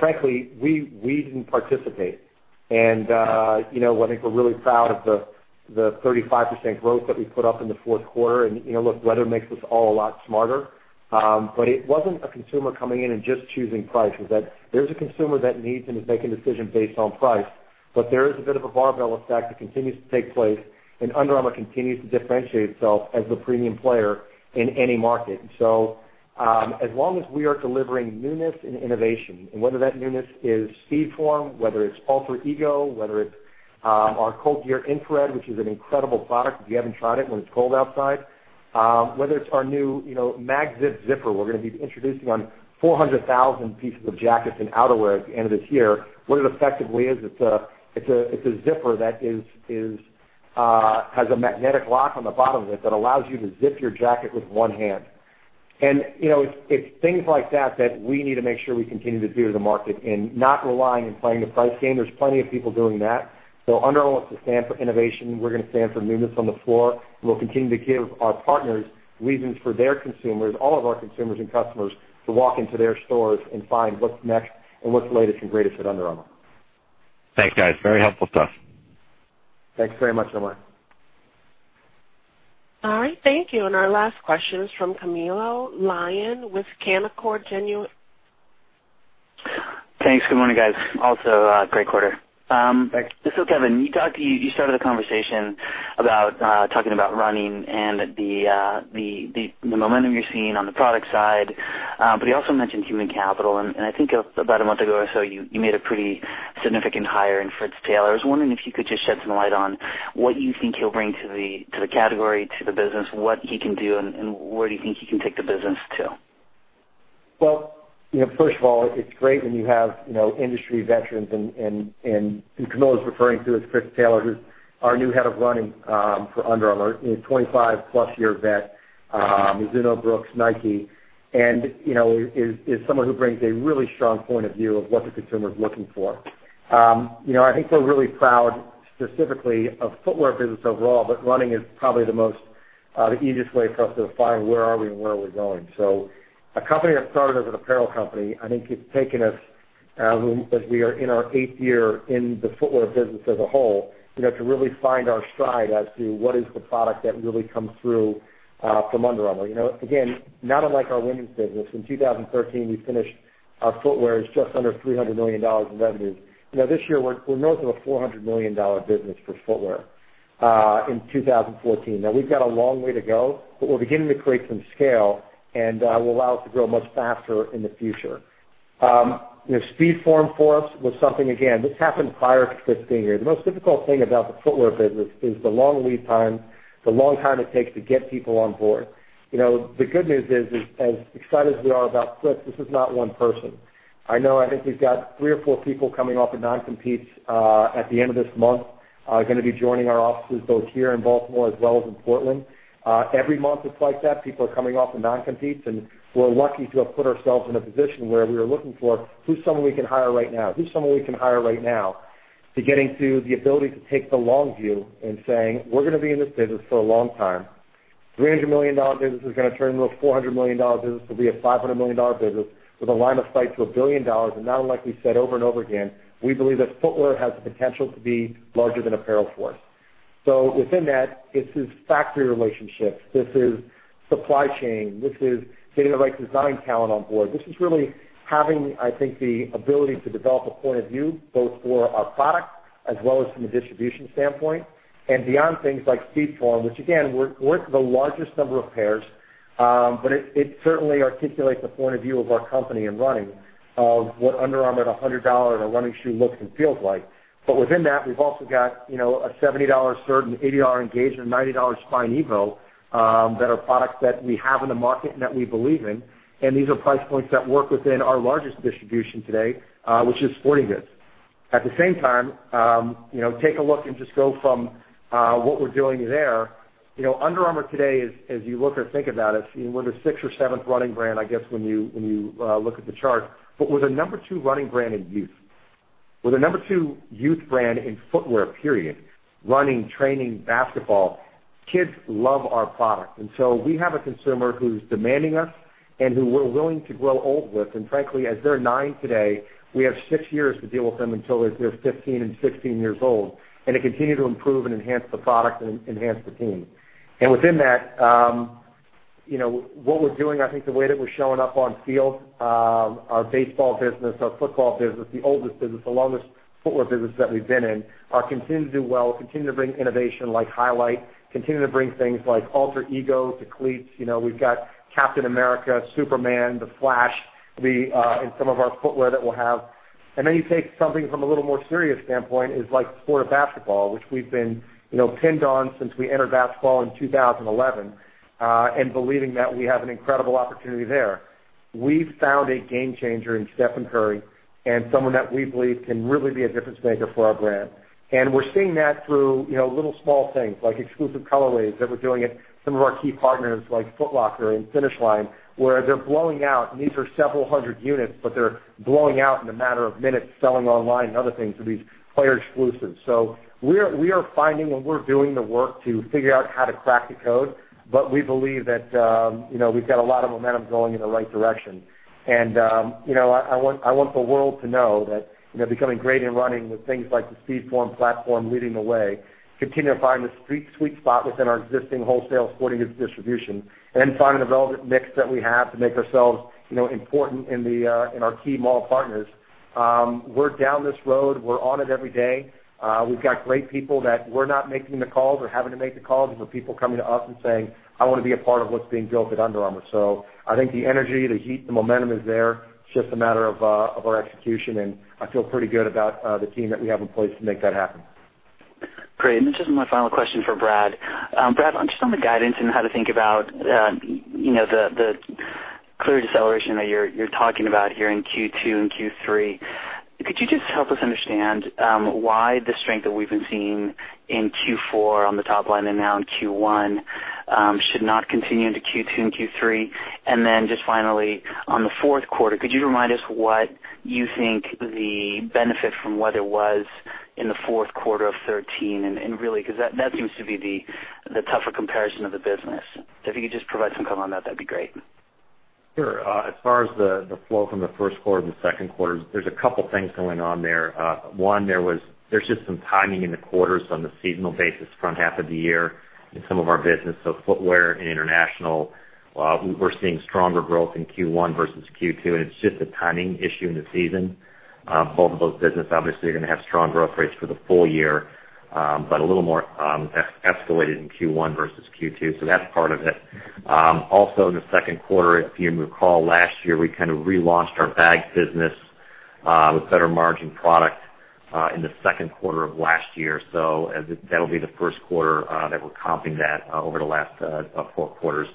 Frankly, we didn't participate. I think we're really proud of the 35% growth that we put up in the fourth quarter. Look, weather makes us all a lot smarter. It wasn't a consumer coming in and just choosing price. It was that there's a consumer that needs and is making a decision based on price, there is a bit of a barbell effect that continues to take place, and Under Armour continues to differentiate itself as the premium player in any market. As long as we are delivering newness and innovation, whether that newness is SpeedForm, whether it's Alter Ego, whether it's our ColdGear Infrared, which is an incredible product, if you haven't tried it when it's cold outside. Whether it's our new MagZip zipper we're going to be introducing on 400,000 pieces of jackets and outerwear at the end of this year. What it effectively is, it's a zipper that has a magnetic lock on the bottom of it that allows you to zip your jacket with one hand. It's things like that we need to make sure we continue to do as a market and not relying on playing the price game. There's plenty of people doing that. Under Armour wants to stand for innovation. We're going to stand for newness on the floor. We'll continue to give our partners reasons for their consumers, all of our consumers and customers, to walk into their stores and find what's next and what's the latest and greatest at Under Armour. Thanks, guys. Very helpful stuff. Thanks very much, Omar. All right. Thank you. Our last question is from Camilo Lyon with Canaccord Genuity. Thanks. Good morning, guys. Also, great quarter. Thanks. Kevin, you started the conversation about talking about running and the momentum you're seeing on the product side. You also mentioned human capital, and I think about a month ago or so, you made a pretty significant hire in Fritz Taylor. I was wondering if you could just shed some light on what you think he'll bring to the category, to the business, what he can do, and where do you think he can take the business to? First of all, it's great when you have industry veterans, and Camilo's referring to is Fritz Taylor, who's our new head of running for Under Armour. He's a 25-plus-year vet, Mizuno, Brooks, Nike, and is someone who brings a really strong point of view of what the consumer's looking for. I think we're really proud, specifically, of footwear business overall, but running is probably the easiest way for us to define where are we and where are we going. A company that started as an apparel company, I think it's taken us, as we are in our eighth year in the footwear business as a whole, to really find our stride as to what is the product that really comes through from Under Armour. Again, not unlike our women's business, in 2013, we finished our footwear as just under $300 million in revenues. This year, we're north of a $400 million business for footwear in 2014. We've got a long way to go, but we're beginning to create some scale, and will allow us to grow much faster in the future. SpeedForm for us was something, again, this happened prior to Fritz being here. The most difficult thing about the footwear business is the long lead time, the long time it takes to get people on board. The good news is, as excited as we are about Fritz, this is not one person. I know, I think we've got three or four people coming off of non-competes at the end of this month, going to be joining our offices both here in Baltimore as well as in Portland. Every month it's like that. People are coming off of non-competes, we're lucky to have put ourselves in a position where we are looking for who's someone we can hire right now? Who's someone we can hire right now to getting to the ability to take the long view and saying, "We're going to be in this business for a long time." $300 million business is going to turn into a $400 million business to be a $500 million business with a line of sight to $1 billion. Not unlike we've said over and over again, we believe that footwear has the potential to be larger than apparel for us. Within that, this is factory relationships, this is supply chain, this is getting the right design talent on board. This is really having, I think, the ability to develop a point of view, both for our product as well as from a distribution standpoint. Beyond things like SpeedForm, which again, weren't the largest number of pairs, but it certainly articulates the point of view of our company in running of what Under Armour at $100 at a running shoe looks and feels like. Within that, we've also got a $70 Surge and $80 Engage and $90 Spine Evo, that are products that we have in the market and that we believe in. These are price points that work within our largest distribution today, which is sporting goods. At the same time, take a look and just go from what we're doing there. Under Armour today, as you look or think about us, we're the sixth or seventh running brand, I guess, when you look at the chart. We're the number 2 running brand in youth. We're the number 2 youth brand in footwear, period. Running, training, basketball. Kids love our product. We have a consumer who's demanding us and who we're willing to grow old with. Frankly, as they're nine today, we have six years to deal with them until they're 15 and 16 years old, and to continue to improve and enhance the product and enhance the team. Within that, what we're doing, I think the way that we're showing up on field, our baseball business, our football business, the oldest business, the longest footwear business that we've been in, are continuing to do well, continuing to bring innovation like Highlight, continuing to bring things like Alter Ego to cleats. We've got Captain America, Superman, The Flash, in some of our footwear that we'll have. Then you take something from a little more serious standpoint is like the sport of basketball, which we've been pinned on since we entered basketball in 2011, and believing that we have an incredible opportunity there. We found a game changer in Stephen Curry and someone that we believe can really be a difference maker for our brand. We're seeing that through little small things like exclusive colorways that we're doing at some of our key partners like Foot Locker and Finish Line, where they're blowing out, and these are several hundred units, but they're blowing out in a matter of minutes selling online and other things for these player exclusives. We are finding and we're doing the work to figure out how to crack the code, but we believe that we've got a lot of momentum going in the right direction. I want the world to know that becoming great in running with things like the SpeedForm platform leading the way, continuing to find the sweet spot within our existing wholesale sporting goods distribution, and then finding the relevant mix that we have to make ourselves important in our key mall partners. We're down this road. We're on it every day. We've got great people that we're not making the calls or having to make the calls. These are people coming to us and saying, "I want to be a part of what's being built at Under Armour." I think the energy, the heat, the momentum is there. It's just a matter of our execution, and I feel pretty good about the team that we have in place to make that happen. Great. This is my final question for Brad. Brad, on just on the guidance and how to think about the clear deceleration that you're talking about here in Q2 and Q3. Could you just help us understand why the strength that we've been seeing in Q4 on the top line and now in Q1 should not continue into Q2 and Q3? Then just finally, on the fourth quarter, could you remind us what you think the benefit from weather was in the fourth quarter of 2013? Really, because that seems to be the tougher comparison of the business. If you could just provide some color on that'd be great. Sure. As far as the flow from the first quarter to the second quarter, there's a couple things going on there. One, there's just some timing in the quarters on the seasonal basis front half of the year in some of our business. Footwear and international, we're seeing stronger growth in Q1 versus Q2, and it's just a timing issue in the season. Both of those business, obviously, are going to have strong growth rates for the full year. A little more escalated in Q1 versus Q2. That's part of it. Also, in the second quarter, if you recall, last year, we kind of relaunched our bag business with better margin product in the second quarter of last year. That'll be the first quarter that we're comping that over the last four quarters.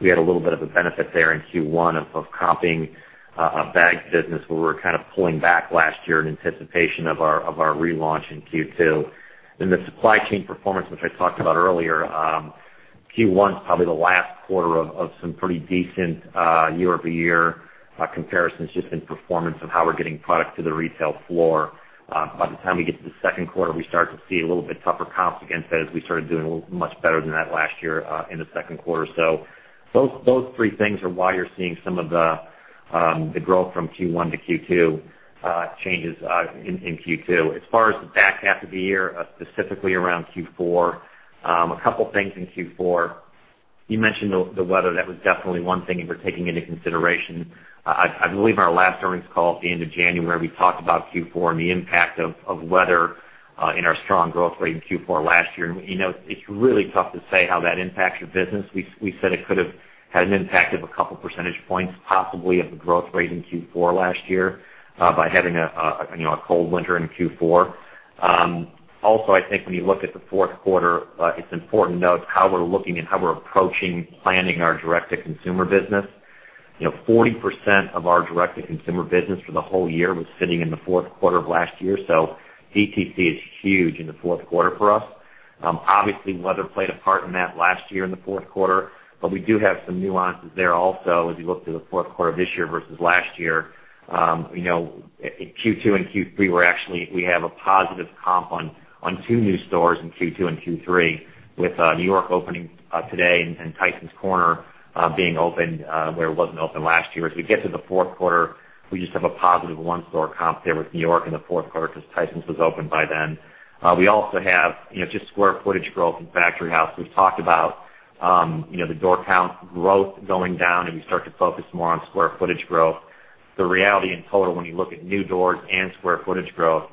We had a little bit of a benefit there in Q1 of comping a bag business where we were kind of pulling back last year in anticipation of our relaunch in Q2. The supply chain performance, which I talked about earlier. Q1 is probably the last quarter of some pretty decent year-over-year comparisons just in performance of how we're getting product to the retail floor. By the time we get to the second quarter, we start to see a little bit tougher comps against that as we started doing much better than that last year in the second quarter. Those three things are why you're seeing some of the growth from Q1 to Q2 changes in Q2. As far as the back half of the year, specifically around Q4, a couple things in Q4. You mentioned the weather. That was definitely one thing we're taking into consideration. I believe in our last earnings call at the end of January, we talked about Q4 and the impact of weather in our strong growth rate in Q4 last year. It's really tough to say how that impacts your business. We said it could have had an impact of 2 percentage points, possibly, of the growth rate in Q4 last year by having a cold winter in Q4. I think when you look at the fourth quarter, it's important to note how we're looking and how we're approaching planning our direct-to-consumer business. 40% of our direct-to-consumer business for the whole year was sitting in the fourth quarter of last year. DTC is huge in the fourth quarter for us. Weather played a part in that last year in the fourth quarter, we do have some nuances there also as we look to the fourth quarter of this year versus last year. Q2 and Q3, we have a positive comp on 2 new stores in Q2 and Q3 with New York opening today and Tysons Corner being opened where it wasn't open last year. We get to the fourth quarter, we just have a positive 1-store comp there with New York in the fourth quarter because Tysons was open by then. We also have just square footage growth in Factory House. We've talked about the door count growth going down, we start to focus more on square footage growth. The reality in total, when you look at new doors and square footage growth,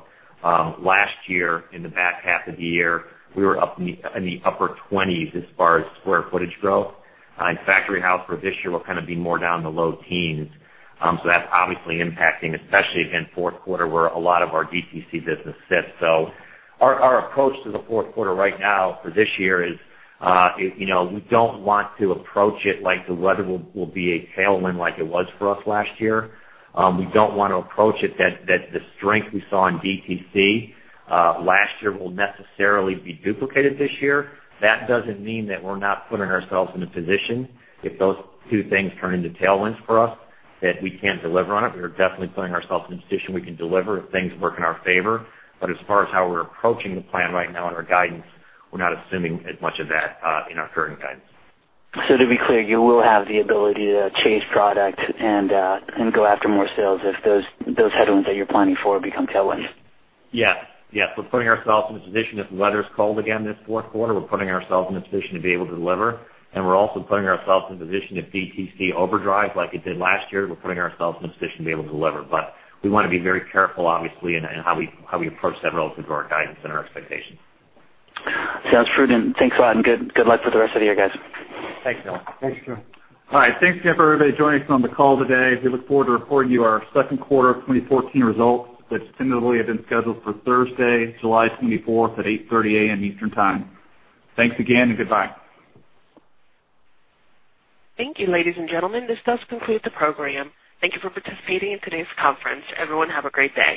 last year in the back half of the year, we were up in the upper 20s as far as square footage growth. In Factory House for this year, we'll kind of be more down to low 10s. That's obviously impacting, especially again, fourth quarter where a lot of our DTC business sits. Our approach to the fourth quarter right now for this year is we don't want to approach it like the weather will be a tailwind like it was for us last year. We don't want to approach it that the strength we saw in DTC last year will necessarily be duplicated this year. That doesn't mean that we're not putting ourselves in a position if those 2 things turn into tailwinds for us, that we can't deliver on it. We are definitely putting ourselves in a position we can deliver if things work in our favor. As far as how we're approaching the plan right now and our guidance, we're not assuming as much of that in our current guidance. To be clear, you will have the ability to change product and go after more sales if those headwinds that you're planning for become tailwinds. Yes. We're putting ourselves in a position if the weather's cold again this fourth quarter, we're putting ourselves in a position to be able to deliver, and we're also putting ourselves in a position if DTC overdrives like it did last year, we're putting ourselves in a position to be able to deliver. We want to be very careful, obviously, in how we approach that relative to our guidance and our expectations. Sounds prudent. Thanks a lot and good luck for the rest of the year, guys. Thanks, Camilo. Thanks, Camilo. All right. Thanks again for everybody joining us on the call today. We look forward to reporting you our second quarter of 2014 results, which tentatively have been scheduled for Thursday, July 24th at 8:30 A.M. Eastern Time. Thanks again. Goodbye. Thank you, ladies and gentlemen. This does conclude the program. Thank you for participating in today's conference. Everyone have a great day.